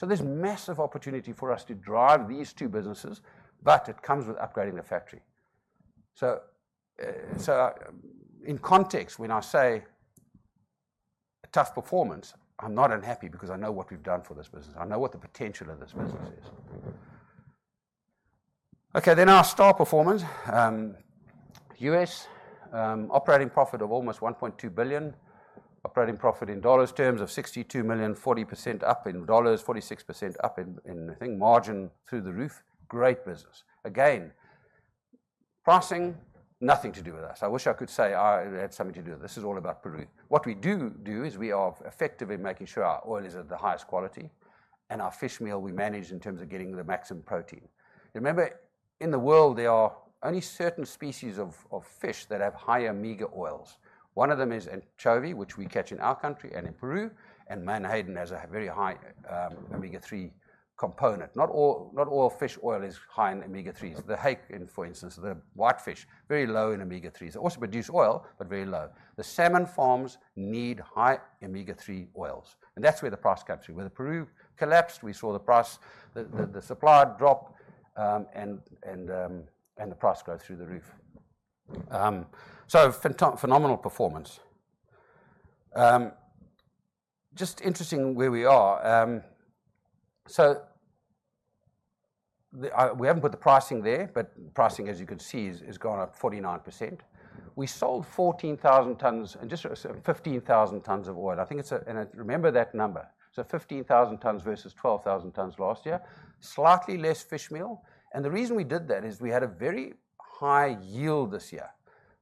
So there's massive opportunity for us to drive these two businesses, but it comes with upgrading the factory. So in context, when I say tough performance, I'm not unhappy because I know what we've done for this business. I know what the potential of this business is. Okay, then our star performance. U.S. operating profit of almost $1.2 billion. Operating profit in dollars terms of $62 million, 40% up in dollars, 46% up in, I think, margin through the roof. Great business. Again, pricing, nothing to do with us. I wish I could say I had something to do with it. This is all about Peru. What we do do is we are effective in making sure our oil is of the highest quality. And our fishmeal, we manage in terms of getting the maximum protein. Remember, in the world, there are only certain species of fish that have high omega oils. One of them is anchovy, which we catch in our country and in Peru. Menhaden has a very high omega-3 component. Not all fish oil is high in omega-3s. The hake, for instance, the white fish, very low in omega-3s. It also produces oil, but very low. The salmon farms need high omega-3 oils. That's where the price comes through. Where the Peru collapsed, we saw the supply drop and the price go through the roof. Phenomenal performance. Just interesting where we are. We haven't put the pricing there, but pricing, as you can see, has gone up 49%. We sold 14,000 tons and just 15,000 tons of oil. I think it's, and remember that number. 15,000 tons versus 12,000 tons last year. Slightly less fishmeal. The reason we did that is we had a very high yield this year.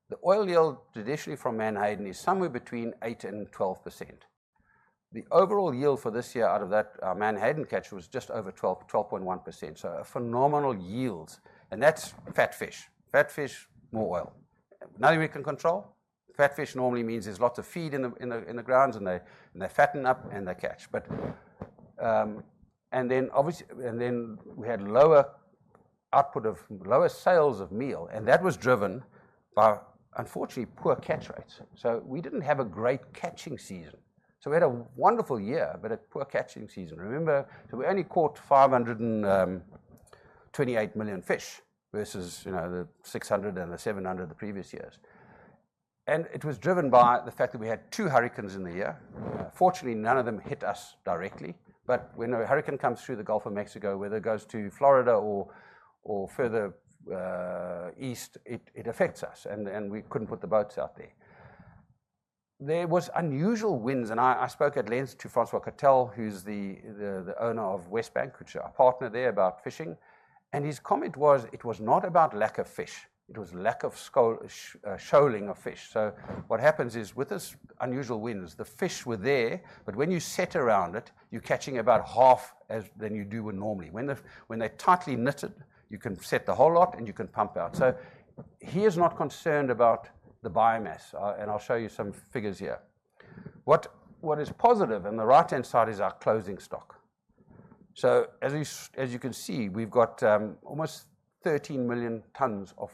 The oil yield traditionally from Menhaden is somewhere between 8%-12%. The overall yield for this year out of that menhaden catch was just over 12.1%, so phenomenal yields, and that's fat fish. Fat fish, more oil. Nothing we can control. Fat fish normally means there's lots of feed in the grounds and they fatten up and they catch, and then we had lower output of lower sales of meal, and that was driven by, unfortunately, poor catch rates, so we didn't have a great catching season. We had a wonderful year, but a poor catching season. Remember, we only caught 528 million fish versus the 600 million and the 700 million the previous years, and it was driven by the fact that we had two hurricanes in the year. Fortunately, none of them hit us directly, but when a hurricane comes through the Gulf of Mexico, whether it goes to Florida or further east, it affects us. We couldn't put the boats out there. There were unusual winds. I spoke at length to François Kuttel, who's the owner of WESTBANK FISHING, which is our partner there about fishing. His comment was, "It was not about lack of fish. It was lack of shoaling of fish." What happens is with this unusual winds, the fish were there, but when you set around it, you're catching about half as than you do normally. When they're tightly knitted, you can set the whole lot and you can pump out. He is not concerned about the biomass. I'll show you some figures here. What is positive on the right-hand side is our closing stock. As you can see, we've got almost 13 million tons of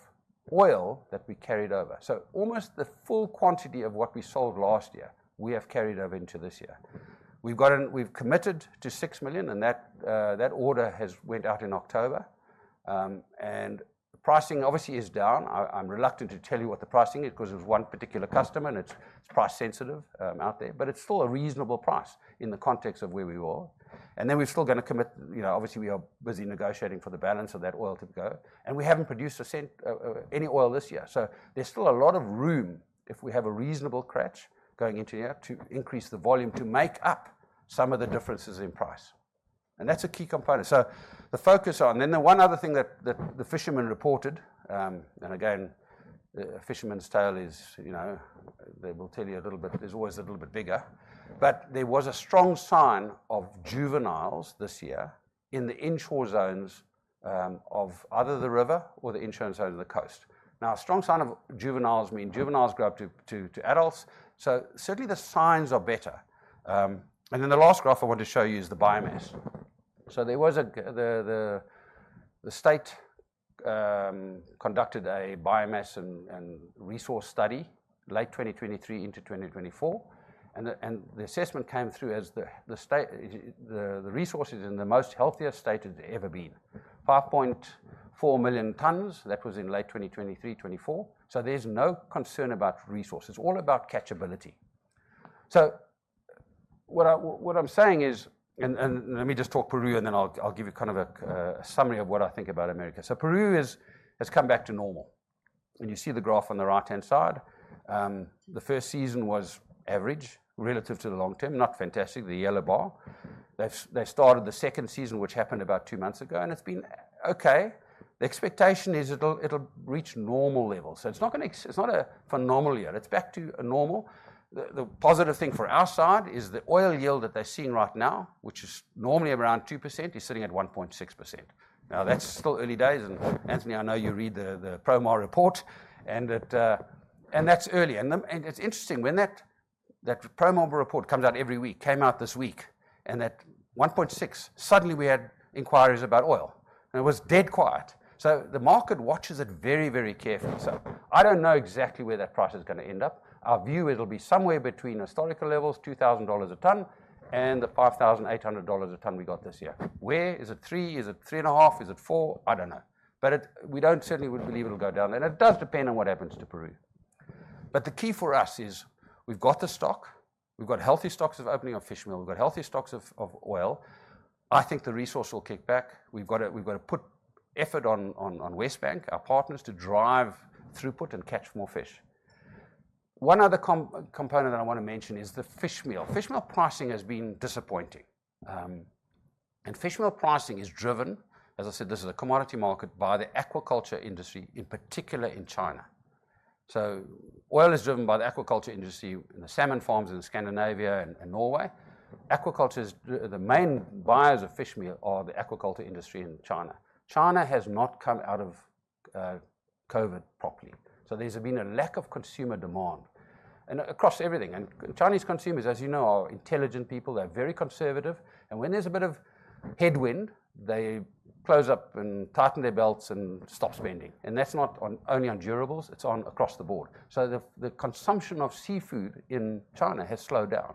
oil that we carried over. So almost the full quantity of what we sold last year, we have carried over into this year. We have committed to six million, and that order went out in October. And pricing obviously is down. I am reluctant to tell you what the pricing is because it was one particular customer, and it is price sensitive out there. But it is still a reasonable price in the context of where we were. And then we are still going to commit, obviously, we are busy negotiating for the balance of that oil to go. And we have not produced any oil this year. So there is still a lot of room if we have a reasonable catch going into here to increase the volume to make up some of the differences in price. And that is a key component. So the focus on, then the one other thing that the fishermen reported, and again, fishermen's tale is, they will tell you a little bit, it's always a little bit bigger. But there was a strong sign of juveniles this year in the inshore zones of either the river or the inshore zone of the coast. Now, a strong sign of juveniles means juveniles grow up to adults. So certainly the signs are better. And then the last graph I want to show you is the biomass. So the state conducted a biomass and resource study, late 2023 into 2024. And the assessment came through as the resources in the most healthier state it's ever been. 5.4 million tons, that was in late 2023, 2024. So there's no concern about resources. It's all about catchability. So what I'm saying is, and let me just talk Peru, and then I'll give you kind of a summary of what I think about America. So Peru has come back to normal. And you see the graph on the right-hand side. The first season was average relative to the long-term, not fantastic, the yellow bar. They started the second season, which happened about two months ago, and it's been okay. The expectation is it'll reach normal levels. So it's not a phenomenal year. It's back to normal. The positive thing for our side is the oil yield that they're seeing right now, which is normally around 2%, is sitting at 1.6%. Now, that's still early days. And Anthony, I know you read the Promar report, and that's early. It's interesting when that Promar report comes out every week. It came out this week, and that 1.6 suddenly we had inquiries about oil. It was dead quiet, so the market watches it very, very carefully. I don't know exactly where that price is going to end up. Our view, it'll be somewhere between historical levels, $2,000 a ton, and the $5,800 a ton we got this year. Where? Is it three? Is it three and a half? Is it four? I don't know. We don't certainly believe it'll go down. It does depend on what happens to Peru. The key for us is we've got the stock. We've got healthy opening stocks of fishmeal. We've got healthy stocks of oil. I think the resource will kick back. We've got to put effort on WESTBANK, our partners, to drive throughput and catch more fish. One other component that I want to mention is the fishmeal. Fishmeal pricing has been disappointing, and fishmeal pricing is driven, as I said, this is a commodity market by the aquaculture industry, in particular in China. Oil is driven by the aquaculture industry and the salmon farms in Scandinavia and Norway. Aquaculture, the main buyers of fishmeal are the aquaculture industry in China. China has not come out of COVID properly, so there's been a lack of consumer demand across everything. Chinese consumers, as you know, are intelligent people. They're very conservative, and when there's a bit of headwind, they close up and tighten their belts and stop spending. That's not only on durables, it's across the board, so the consumption of seafood in China has slowed down.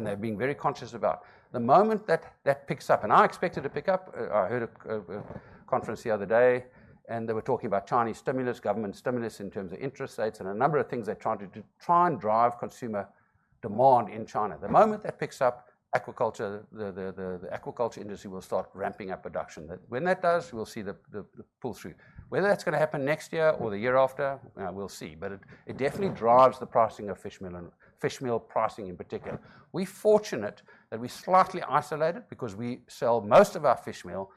They're being very conscious about it. The moment that picks up, and I expect it to pick up. I heard a conference the other day, and they were talking about Chinese stimulus, government stimulus in terms of interest rates and a number of things they're trying to drive consumer demand in China. The moment that picks up, the aquaculture industry will start ramping up production. When that does, we'll see the pull-through. Whether that's going to happen next year or the year after, we'll see. But it definitely drives the pricing of fishmeal in particular. We're fortunate that we're slightly isolated because we sell most of our fishmeal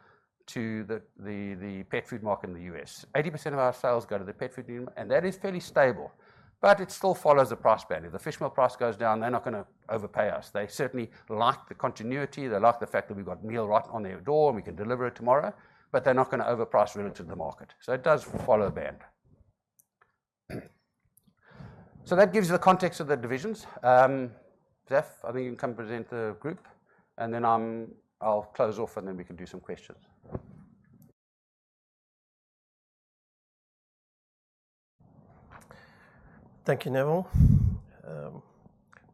to the pet food market in the U.S. 80% of our sales go to the pet food market, and that is fairly stable, but it still follows the price band. If the fishmeal price goes down, they're not going to overpay us. They certainly like the continuity. They like the fact that we've got meal right on their door and we can deliver it tomorrow. But they're not going to overprice relative to the market. So it does follow the band. So that gives you the context of the divisions. Zaf, I think you can come present the group. And then I'll close off, and then we can do some questions. Thank you, Neville.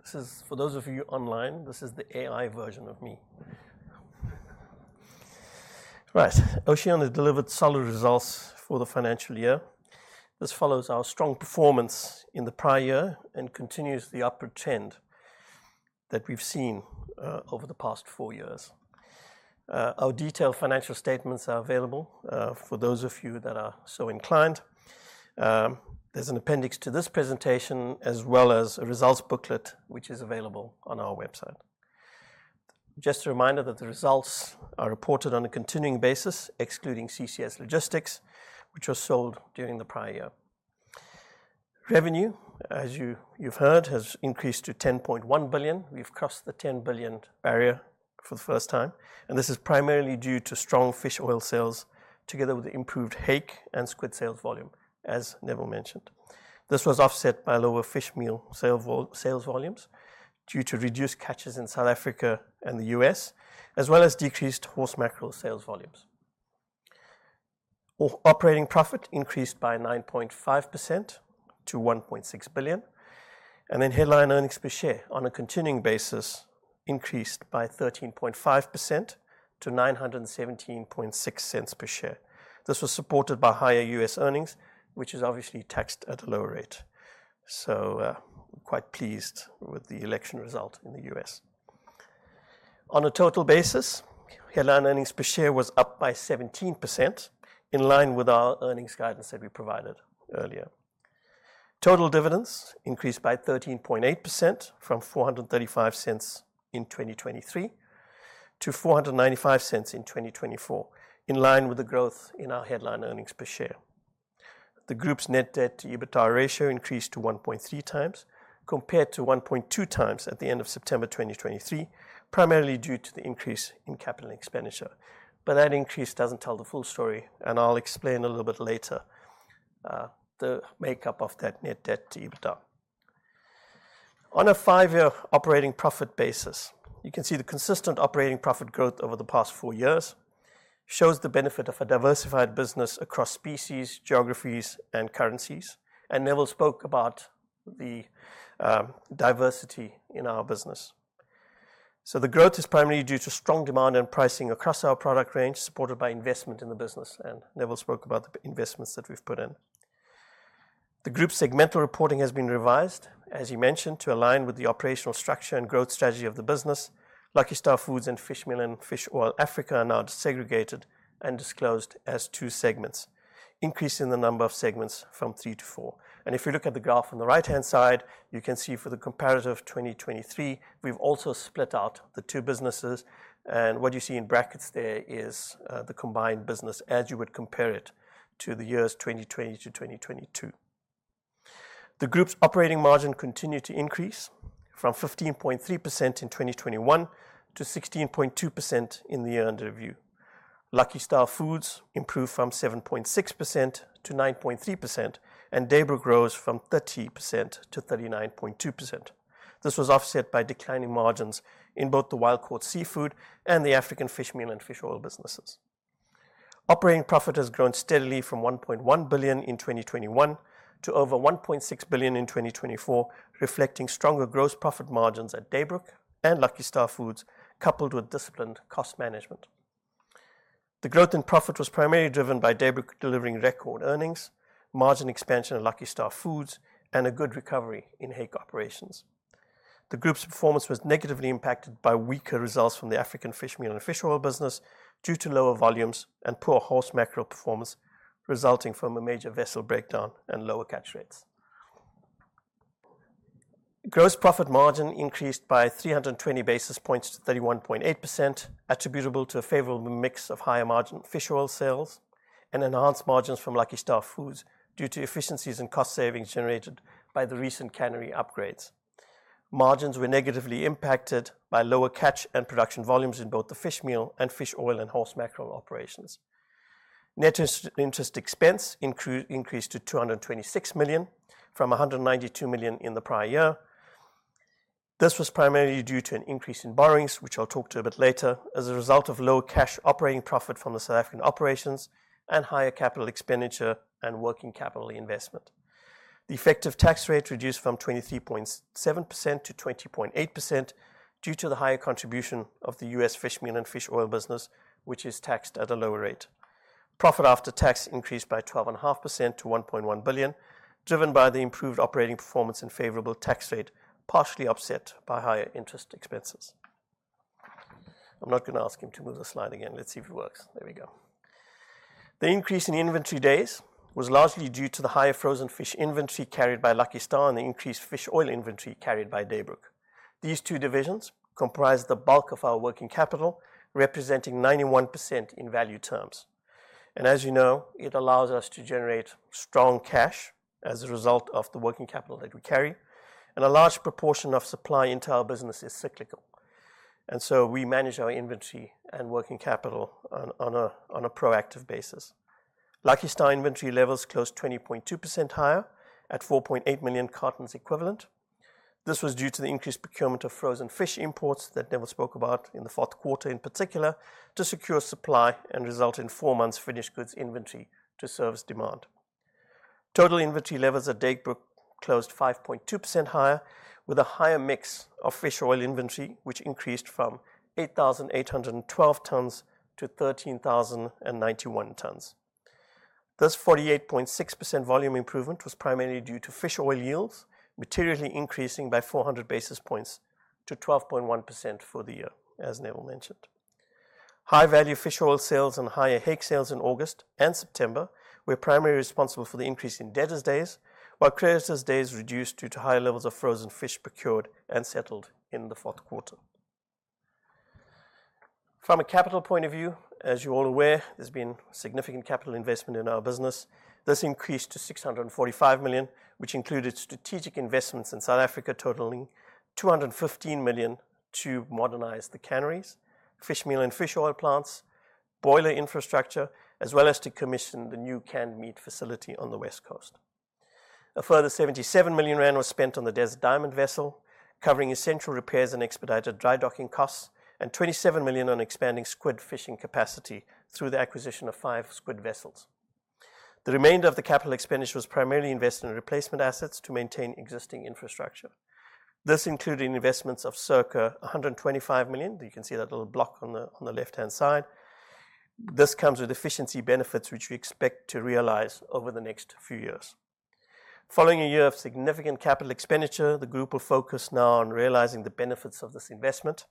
This is, for those of you online, this is the AI version of me. Right. Oceana has delivered solid results for the financial year. This follows our strong performance in the prior-year and continues the upward trend that we've seen over the past four years. Our detailed financial statements are available for those of you that are so inclined. There's an appendix to this presentation as well as a results booklet, which is available on our website. Just a reminder that the results are reported on a continuing basis, excluding CCS Logistics, which were sold during the prior-year. Revenue, as you've heard, has increased to 10.1 billion. We've crossed the 10 billion mark for the first time. And this is primarily due to strong fish oil sales together with improved hake and squid sales volume, as Neville mentioned. This was offset by lower fish meal sales volumes due to reduced catches in South Africa and the U.S., as well as decreased horse mackerel sales volumes. Operating profit increased by 9.5% to 1.6 billion. And then headline earnings per share on a continuing basis increased by 13.5% to 9.176 per share. This was supported by higher U.S. earnings, which is obviously taxed at a lower rate.m Quite pleased with the election result in the U.S. On a total basis, headline earnings per share was up by 17% in line with our earnings guidance that we provided earlier. Total dividends increased by 13.8% from 4.35 in 2023 to 4.95 in 2024, in line with the growth in our headline earnings per share. The Group's net Debt to EBITDA ratio increased to 1.3x compared to 1.2x at the end of September 2023, primarily due to the increase in capital expenditure. That increase doesn't tell the full story. I'll explain a little bit later the makeup of that net Debt to EBITDA. On a five-year operating profit basis, you can see the consistent operating profit growth over the past four years shows the benefit of a diversified business across species, geographies, and currencies. Neville spoke about the diversity in our business. The growth is primarily due to strong demand and pricing across our product range, supported by investment in the business. Neville spoke about the investments that we've put in. The group's segmental reporting has been revised, as you mentioned, to align with the operational structure and growth strategy of the business. Lucky Star Foods and Fishmeal and Fish Oil Africa are now segregated and disclosed as two segments, increasing the number of segments from three to four. If you look at the graph on the right-hand side, you can see for the comparative 2023, we've also split out the two businesses. What you see in brackets there is the combined business as you would compare it to the years 2020 to 2022. The group's operating margin continued to increase from 15.3% in 2021 to 16.2% in the year under review. Lucky Star Foods improved from 7.6% to 9.3%, and Daybrook rose from 30% to 39.2%. This was offset by declining margins in both the Wild Caught Seafood and the African fishmeal and fish oil businesses. Operating profit has grown steadily from 1.1 billion in 2021 to over 1.6 billion in 2024, reflecting stronger gross profit margins at Daybrook and Lucky Star Foods, coupled with disciplined cost management. The growth in profit was primarily driven by Daybrook delivering record earnings, margin expansion at Lucky Star Foods, and a good recovery in hake operations. The group's performance was negatively impacted by weaker results from the African fishmeal and fish oil business due to lower volumes and poor horse mackerel performance resulting from a major vessel breakdown and lower catch rates. Gross profit margin increased by 320 basis points to 31.8%, attributable to a favorable mix of higher margin fish oil sales and enhanced margins from Lucky Star Foods due to efficiencies and cost savings generated by the recent cannery upgrades. Margins were negatively impacted by lower catch and production volumes in both the fishmeal and fish oil and horse mackerel operations. Net interest expense increased to 226 million from 192 million in the prior-year. This was primarily due to an increase in borrowings, which I'll talk to a bit later, as a result of low cash operating profit from the South African operations and higher capital expenditure and working capital investment. The effective tax rate reduced from 23.7% to 20.8% due to the higher contribution of the U.S. fishmeal and fish oil business, which is taxed at a lower rate. Profit after tax increased by 12.5% to 1.1 billion, driven by the improved operating performance and favorable tax rate, partially offset by higher interest expenses. I'm not going to ask him to move the slide again. Let's see if it works. There we go. The increase in inventory days was largely due to the higher frozen fish inventory carried by Lucky Star and the increased fish oil inventory carried by Daybrook. These two divisions comprise the bulk of our working capital, representing 91% in value terms. As you know, it allows us to generate strong cash as a result of the working capital that we carry. A large proportion of supply into our business is cyclical. So we manage our inventory and working capital on a proactive basis. Lucky Star inventory levels closed 20.2% higher at 4.8 million cartons equivalent. This was due to the increased procurement of frozen fish imports that Neville spoke about in the fourth quarter in particular to secure supply and result in four months' finished goods inventory to service demand. Total inventory levels at Daybrook closed 5.2% higher with a higher mix of fish oil inventory, which increased from 8,812 tons to 13,091 tons. This 48.6% volume improvement was primarily due to fish oil yields materially increasing by 400 basis points to 12.1% for the year, as Neville mentioned. High-value fish oil sales and higher hake sales in August and September were primarily responsible for the increase in debtors' days, while creditors' days reduced due to higher levels of frozen fish procured and settled in the fourth quarter. From a capital point of view, as you're all aware, there's been significant capital investment in our business. This increased to 645 million, which included strategic investments in South Africa totaling 215 million to modernize the canneries, fishmeal and fish oil plants, boiler infrastructure, as well as to commission the new canned meat facility on the West Coast. A further 77 million rand was spent on the DESERT DIAMOND vessel, covering essential repairs and expedited dry docking costs, and 27 million on expanding squid fishing capacity through the acquisition of five squid vessels. The remainder of the capital expenditure was primarily invested in replacement assets to maintain existing infrastructure. This included investments of circa 125 million. You can see that little block on the left-hand side. This comes with efficiency benefits, which we expect to realize over the next few years. Following a year of significant capital expenditure, the group will focus now on realizing the benefits of this investment.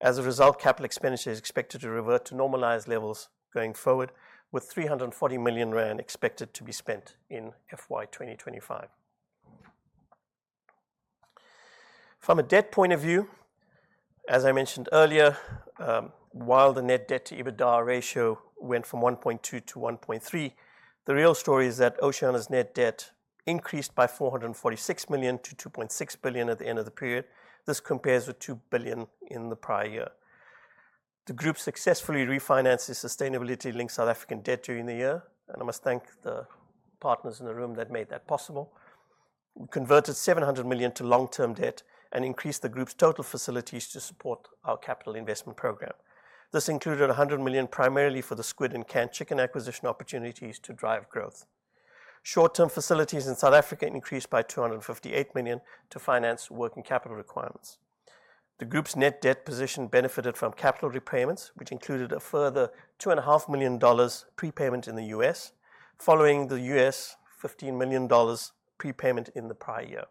As a result, capital expenditure is expected to revert to normalized levels going forward, with 340 million rand expected to be spent in FY 2025. From a debt point of view, as I mentioned earlier, while the net Debt to EBITDA ratio went from 1.2x to 1.3x, the real story is that Oceana's net debt increased by 446 million to 2.6 billion at the end of the period. This compares with 2 billion in the prior-year. The group successfully refinanced its sustainability-linked South African debt during the year, and I must thank the partners in the room that made that possible. We converted 700 million to long-term debt and increased the group's total facilities to support our capital investment program. This included 100 million primarily for the squid and canned chicken acquisition opportunities to drive growth. Short-term facilities in South Africa increased by 258 million to finance working capital requirements. The group's net debt position benefited from capital repayments, which included a further $2.5 million prepayment in the U.S., following the U.S. $15 million prepayment in the prior-year.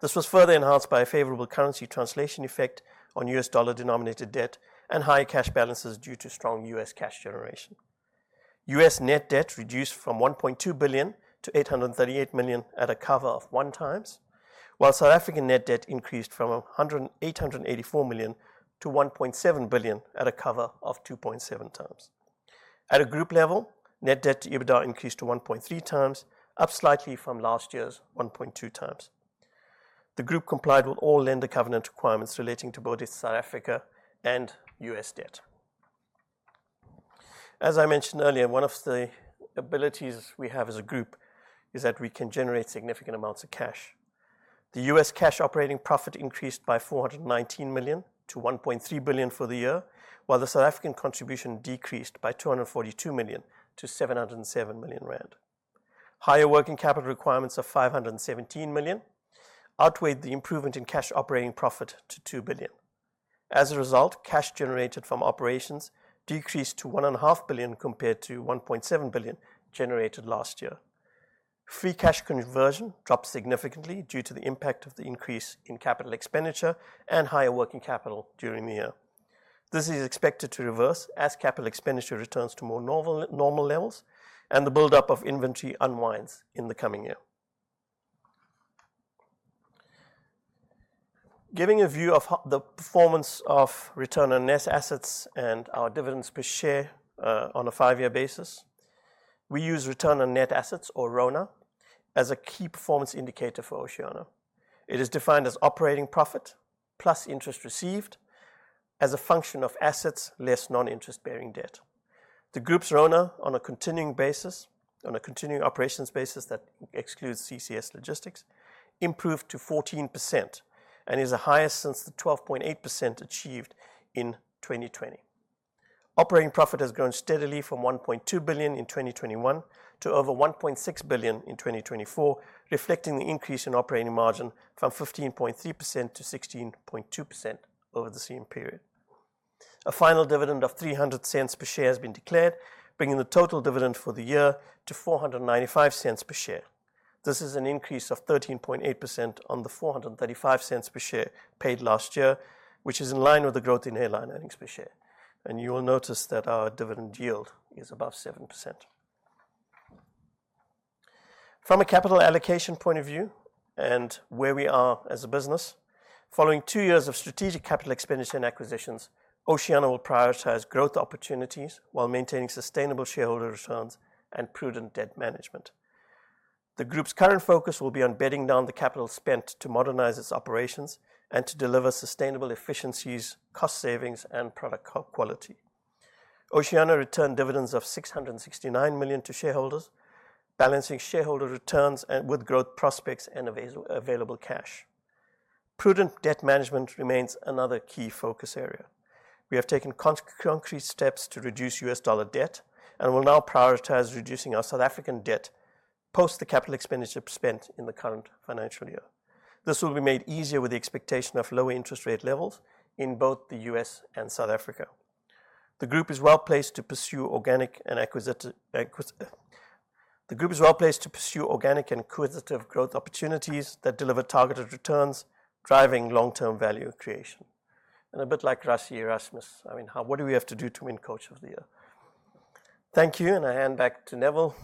This was further enhanced by a favorable currency translation effect on U.S. dollar-denominated debt and high cash balances due to strong U.S. cash generation. U.S. net debt reduced from $1.2 billion to $838 million at a cover of one times, while South African net debt increased from 884 million to 1.7 billion at a cover of 2.7x. At a group level, net Debt to EBITDA increased to 1.3 times, up slightly from last year's 1.2x. The group complied with all lender covenant requirements relating to both its South Africa and U.S. debt. As I mentioned earlier, one of the abilities we have as a group is that we can generate significant amounts of cash. The US cash operating profit increased by 419 million to 1.3 billion for the year, while the South African contribution decreased by 242 million to 707 million rand. Higher working capital requirements of 517 million outweighed the improvement in cash operating profit to 2 billion. As a result, cash generated from operations decreased to 1.5 billion compared to 1.7 billion generated last year. Free cash conversion dropped significantly due to the impact of the increase in capital expenditure and higher working capital during the year. This is expected to reverse as capital expenditure returns to more normal levels and the buildup of inventory unwinds in the coming year. Giving a view of the performance of return on net assets and our dividends per share on a five-year basis, we use return on net assets, or RONA, as a key performance indicator for Oceana. It is defined as operating profit plus interest received as a function of assets less non-interest-bearing debt. The group's RONA on a continuing basis, on a continuing operations basis that excludes CCS Logistics, improved to 14% and is the highest since the 12.8% achieved in 2020. Operating profit has grown steadily from 1.2 billion in 2021 to over 1.6 billion in 2024, reflecting the increase in operating margin from 15.3% to 16.2% over the same period. A final dividend of 3.00 per share has been declared, bringing the total dividend for the year to 4.95 per share. This is an increase of 13.8% on the 4.35 per share paid last year, which is in line with the growth in headline earnings per share. You will notice that our dividend yield is above 7%. From a capital allocation point of view and where we are as a business, following two years of strategic capital expenditure and acquisitions, Oceana will prioritize growth opportunities while maintaining sustainable shareholder returns and prudent debt management. The group's current focus will be on bedding down the capital spent to modernize its operations and to deliver sustainable efficiencies, cost savings, and product quality. Oceana returned dividends of 669 million to shareholders, balancing shareholder returns with growth prospects and available cash. Prudent debt management remains another key focus area. We have taken concrete steps to reduce U.S. dollar debt and will now prioritize reducing our South African debt post the capital expenditure spent in the current financial year. This will be made easier with the expectation of lower interest rate levels in both the U.S. and South Africa. The group is well placed to pursue organic and acquisitive growth opportunities that deliver targeted returns, driving long-term value creation. And a bit like Rassie Erasmus, I mean, what do we have to do to win Coach of the Year? Thank you, and I hand back to Neville,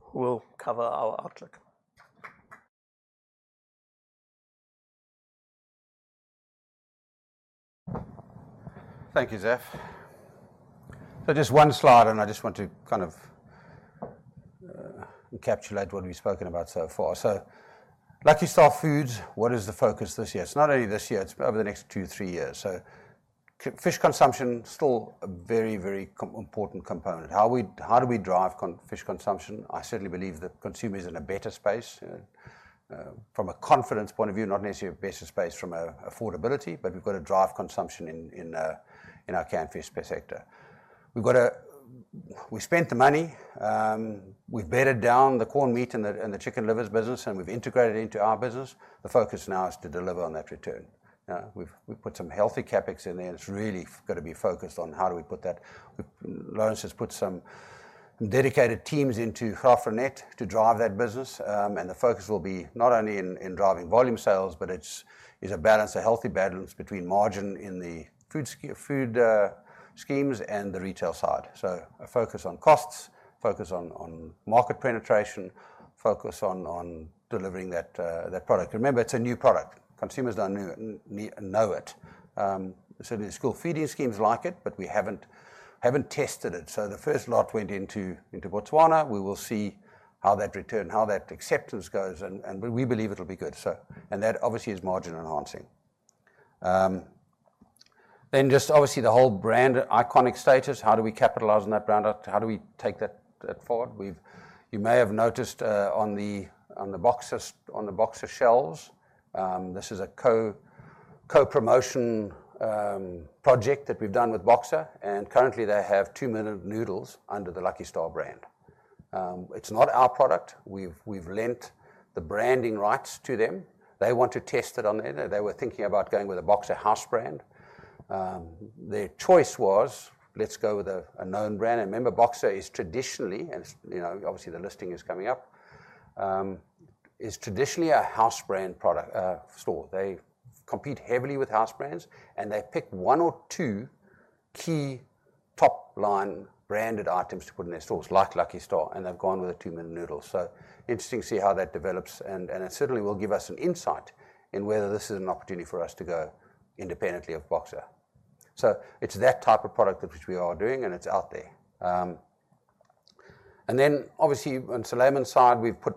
who will cover our outlook. Thank you, Zaf. So just one slide, and I just want to kind of encapsulate what we've spoken about so far. So Lucky Star Foods, what is the focus this year? It's not only this year, it's over the next two, three years. So fish consumption is still a very, very important component. How do we drive fish consumption? I certainly believe that consumers are in a better space. From a confidence point of view, not necessarily a better space from affordability, but we've got to drive consumption in our canned fish per sector. We spent the money. We've bedded down the corned meat, and the chicken livers business, and we've integrated it into our business. The focus now is to deliver on that return. We've put some healthy CapEx in there, and it's really got to be focused on how do we put that. Lawrence has put some dedicated teams into Graaff-Reinet to drive that business, and the focus will be not only in driving volume sales, but it's a balance, a healthy balance between margin in the food schemes and the retail side. So a focus on costs, focus on market penetration, focus on delivering that product. Remember, it's a new product. Consumers don't know it. Certainly, school feeding schemes like it, but we haven't tested it. So the first lot went into Botswana. We will see how that return, how that acceptance goes, and we believe it'll be good. And that obviously is margin enhancing. Then just obviously the whole brand iconic status, how do we capitalize on that brand? How do we take that forward? You may have noticed on the Boxer shelves, this is a co-promotion project that we've done with Boxer, and currently they have two-minute noodles under the Lucky Star brand. It's not our product. We've lent the branding rights to them. They want to test it on there. They were thinking about going with a Boxer house brand. Their choice was, let's go with a known brand. Remember, Boxer is traditionally, and obviously the listing is coming up, a house brand store. They compete heavily with house brands, and they pick one or two key top-line branded items to put in their stores like Lucky Star, and they've gone with a two-minute noodle. It is interesting to see how that develops, and it certainly will give us an insight into whether this is an opportunity for us to go independently of Boxer. It is that type of product which we are doing, and it is out there. Then, obviously on Saldanha side, we've put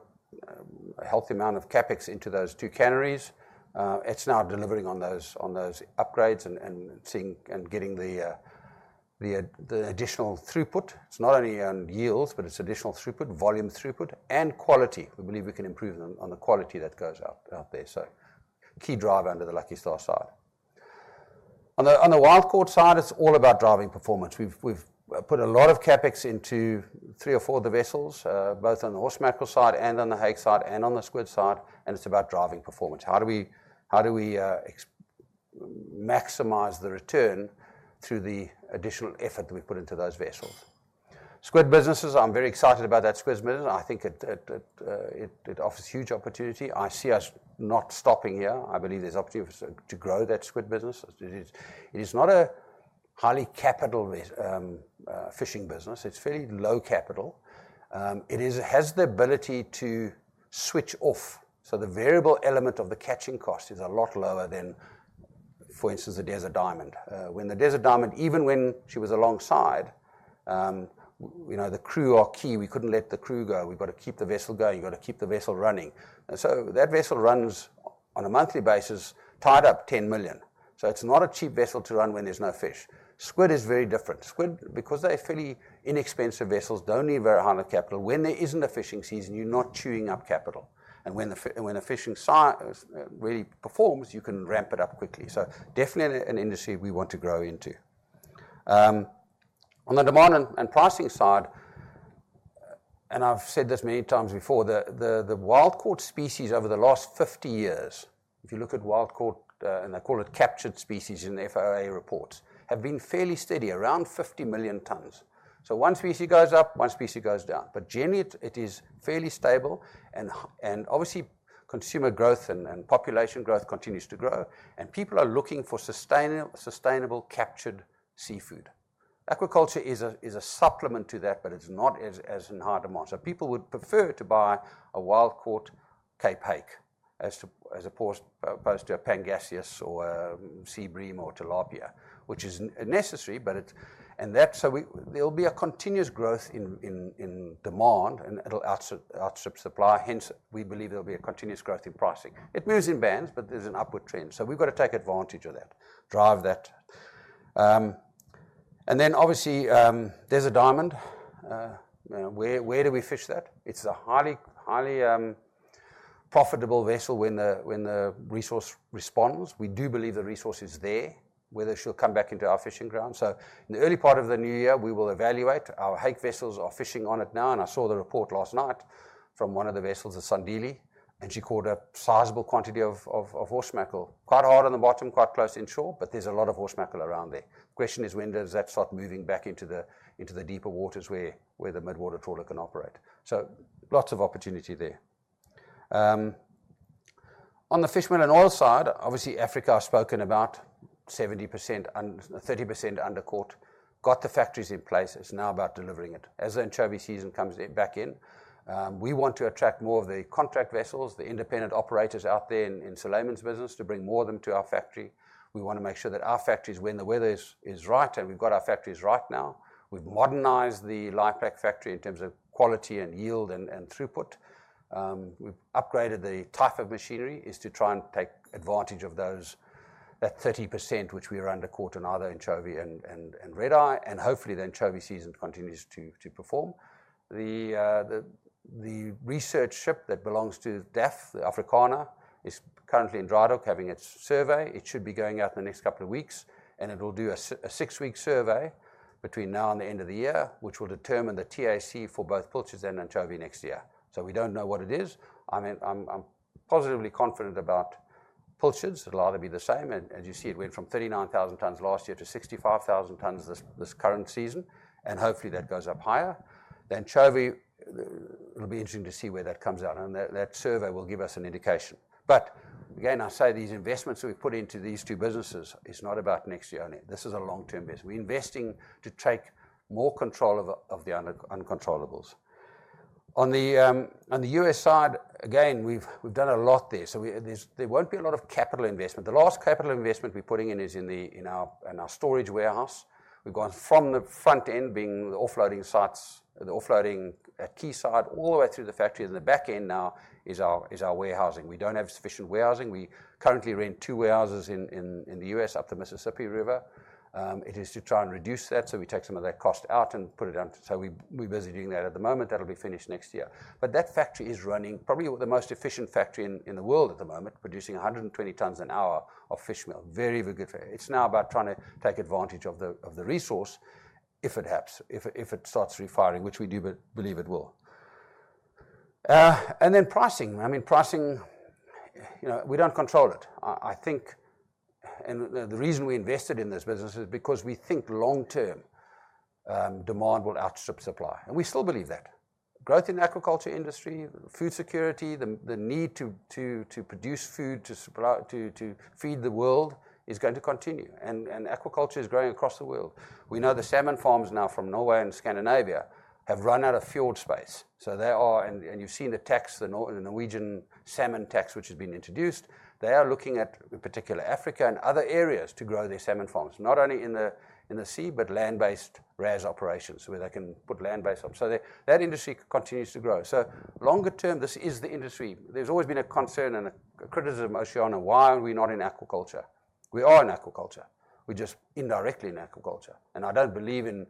a healthy amount of CapEx into those two canneries. It is now delivering on those upgrades and getting the additional throughput. It is not only on yields, but it is additional throughput, volume throughput, and quality. We believe we can improve on the quality that goes out there. Key driver under the Lucky Star side. On the Wild Caught side, it's all about driving performance. We've put a lot of CapEx into three or four of the vessels, both on the horse mackerel side and on the hake side and on the squid side, and it's about driving performance. How do we maximize the return through the additional effort that we put into those vessels? Squid businesses, I'm very excited about that squid business. I think it offers huge opportunity. I see us not stopping here. I believe there's opportunity to grow that squid business. It is not a highly capital fishing business. It's fairly low capital. It has the ability to switch off. So the variable element of the catching cost is a lot lower than, for instance, the DESERT DIAMOND. When the DESERT DIAMOND, even when she was alongside, the crew are key. We couldn't let the crew go. We've got to keep the vessel going. You've got to keep the vessel running. And so that vessel runs on a monthly basis, tied up 10 million. So it's not a cheap vessel to run when there's no fish. Squid is very different. Squid, because they're fairly inexpensive vessels, don't need very high capital when there isn't a fishing season, you're not chewing up capital. And when the fishing side really performs, you can ramp it up quickly. So definitely an industry we want to grow into. On the demand and pricing side, and I've said this many times before, the Wild Caught species over the last 50 years, if you look at Wild Caught, and they call it captured species in FAO reports, have been fairly steady, around 50 million tons. So one species goes up, one species goes down. But generally, it is fairly stable. And obviously, consumer growth and population growth continues to grow, and people are looking for sustainable captured seafood. Aquaculture is a supplement to that, but it's not as in high demand. So people would prefer to buy a Wild Caught Cape hake as opposed to a pangasius or a sea bream or tilapia, which is necessary. And so there'll be a continuous growth in demand, and it'll outstrip supply. Hence, we believe there'll be a continuous growth in pricing. It moves in bands, but there's an upward trend. So we've got to take advantage of that, drive that. And then obviously, DESERT DIAMOND, where do we fish that? It's a highly profitable vessel when the resource responds. We do believe the resource is there, whether she'll come back into our fishing grounds. So in the early part of the new year, we will evaluate. Our hake vessels are fishing on it now, and I saw the report last night from one of the vessels, the Sandile, and she caught a sizable quantity of horse mackerel. Quite hard on the bottom, quite close in shore, but there's a lot of horse mackerel around there. The question is, when does that start moving back into the deeper waters where the midwater trawler can operate? So lots of opportunity there. On the fish meal and oil side, obviously, Africa I've spoken about, 30% undercaught, got the factories in place. It's now about delivering it. As the anchovy season comes back in, we want to attract more of the contract vessels, the independent operators out there in Saldanha's business, to bring more of them to our factory. We want to make sure that our factories, when the weather is right, and we've got our factories right now. We've modernized the Laaiplek factory in terms of quality and yield and throughput. We've upgraded the type of machinery to try and take advantage of that 30% which we are undercaught in either anchovy and Red Eye, and hopefully the anchovy season continues to perform. The research ship that belongs to DAFF, the Africana, is currently in dry dock having its survey. It should be going out in the next couple of weeks, and it will do a six-week survey between now and the end of the year, which will determine the TAC for both pilchards and anchovy next year. We don't know what it is. I'm positively confident about pilchards. It'll either be the same. As you see, it went from 39,000 tons last year to 65,000 tons this current season, and hopefully that goes up higher. The anchovy, it'll be interesting to see where that comes out, and that survey will give us an indication, but again, I say these investments that we've put into these two businesses is not about next year only. This is a long-term business. We're investing to take more control of the uncontrollables. On the U.S. side, again, we've done a lot there. So there won't be a lot of capital investment. The last capital investment we're putting in is in our storage warehouse. We've gone from the front end, being the offloading sites, the offloading at quayside, all the way through the factory, and the back end now is our warehousing. We don't have sufficient warehousing. We currently rent two warehouses in the U.S. up the Mississippi River. It is to try and reduce that, so we take some of that cost out and put it down. So we're busy doing that at the moment. That'll be finished next year. But that factory is running probably the most efficient factory in the world at the moment, producing 120 tons an hour of fish meal. Very, very good. It's now about trying to take advantage of the resource if it starts recovering, which we do believe it will. And then pricing. I mean, pricing, we don't control it. I think the reason we invested in this business is because we think long-term demand will outstrip supply. We still believe that. Growth in the aquaculture industry, food security, the need to produce food to feed the world is going to continue. Aquaculture is growing across the world. We know the salmon farms now from Norway and Scandinavia have run out of field space. You've seen the tax, the Norwegian salmon tax, which has been introduced. They are looking at, in particular, Africa and other areas to grow their salmon farms, not only in the sea, but land-based RAS operations where they can put land-based operations. That industry continues to grow. Longer term, this is the industry. There's always been a concern and a criticism, Oceana, why aren't we not in aquaculture? We are in aquaculture. We're just indirectly in aquaculture. I don't believe in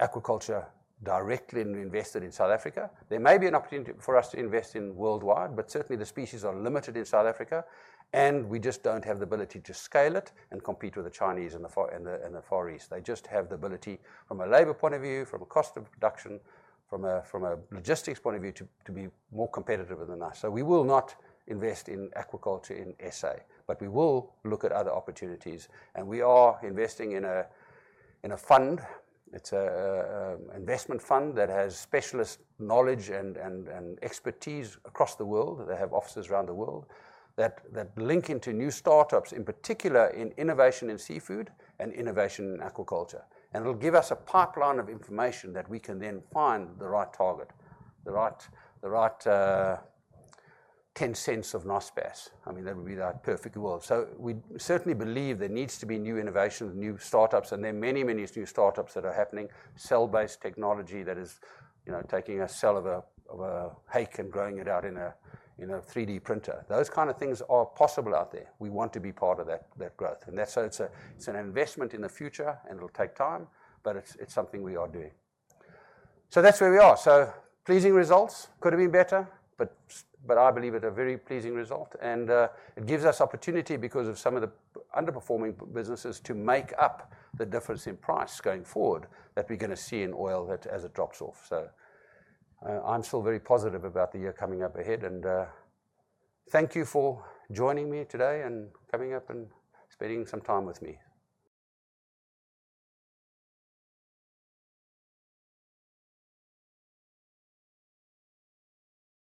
aquaculture directly invested in South Africa. There may be an opportunity for us to invest in worldwide, but certainly the species are limited in South Africa, and we just don't have the ability to scale it and compete with the Chinese in the Far East. They just have the ability from a labor point of view, from a cost of production, from a logistics point of view to be more competitive than us, so we will not invest in aquaculture in SA, but we will look at other opportunities, and we are investing in a fund. It's an investment fund that has specialist knowledge and expertise across the world. They have offices around the world that link into new startups, in particular in innovation in seafood and innovation in aquaculture, and it'll give us a pipeline of information that we can then find the right target, the right 10X on next basa. I mean, that would be the perfect world, so we certainly believe there needs to be new innovations, new startups, and there are many, many new startups that are happening. Cell-based technology that is taking a cell of a hake and growing it out in a 3D printer. Those kinds of things are possible out there. We want to be part of that growth. And so it's an investment in the future, and it'll take time, but it's something we are doing. So that's where we are. So pleasing results. Could have been better, but I believe it's a very pleasing result. And it gives us opportunity because of some of the underperforming businesses to make up the difference in price going forward that we're going to see in oil as it drops off. So I'm still very positive about the year coming up ahead. And thank you for joining me today and coming up and spending some time with me.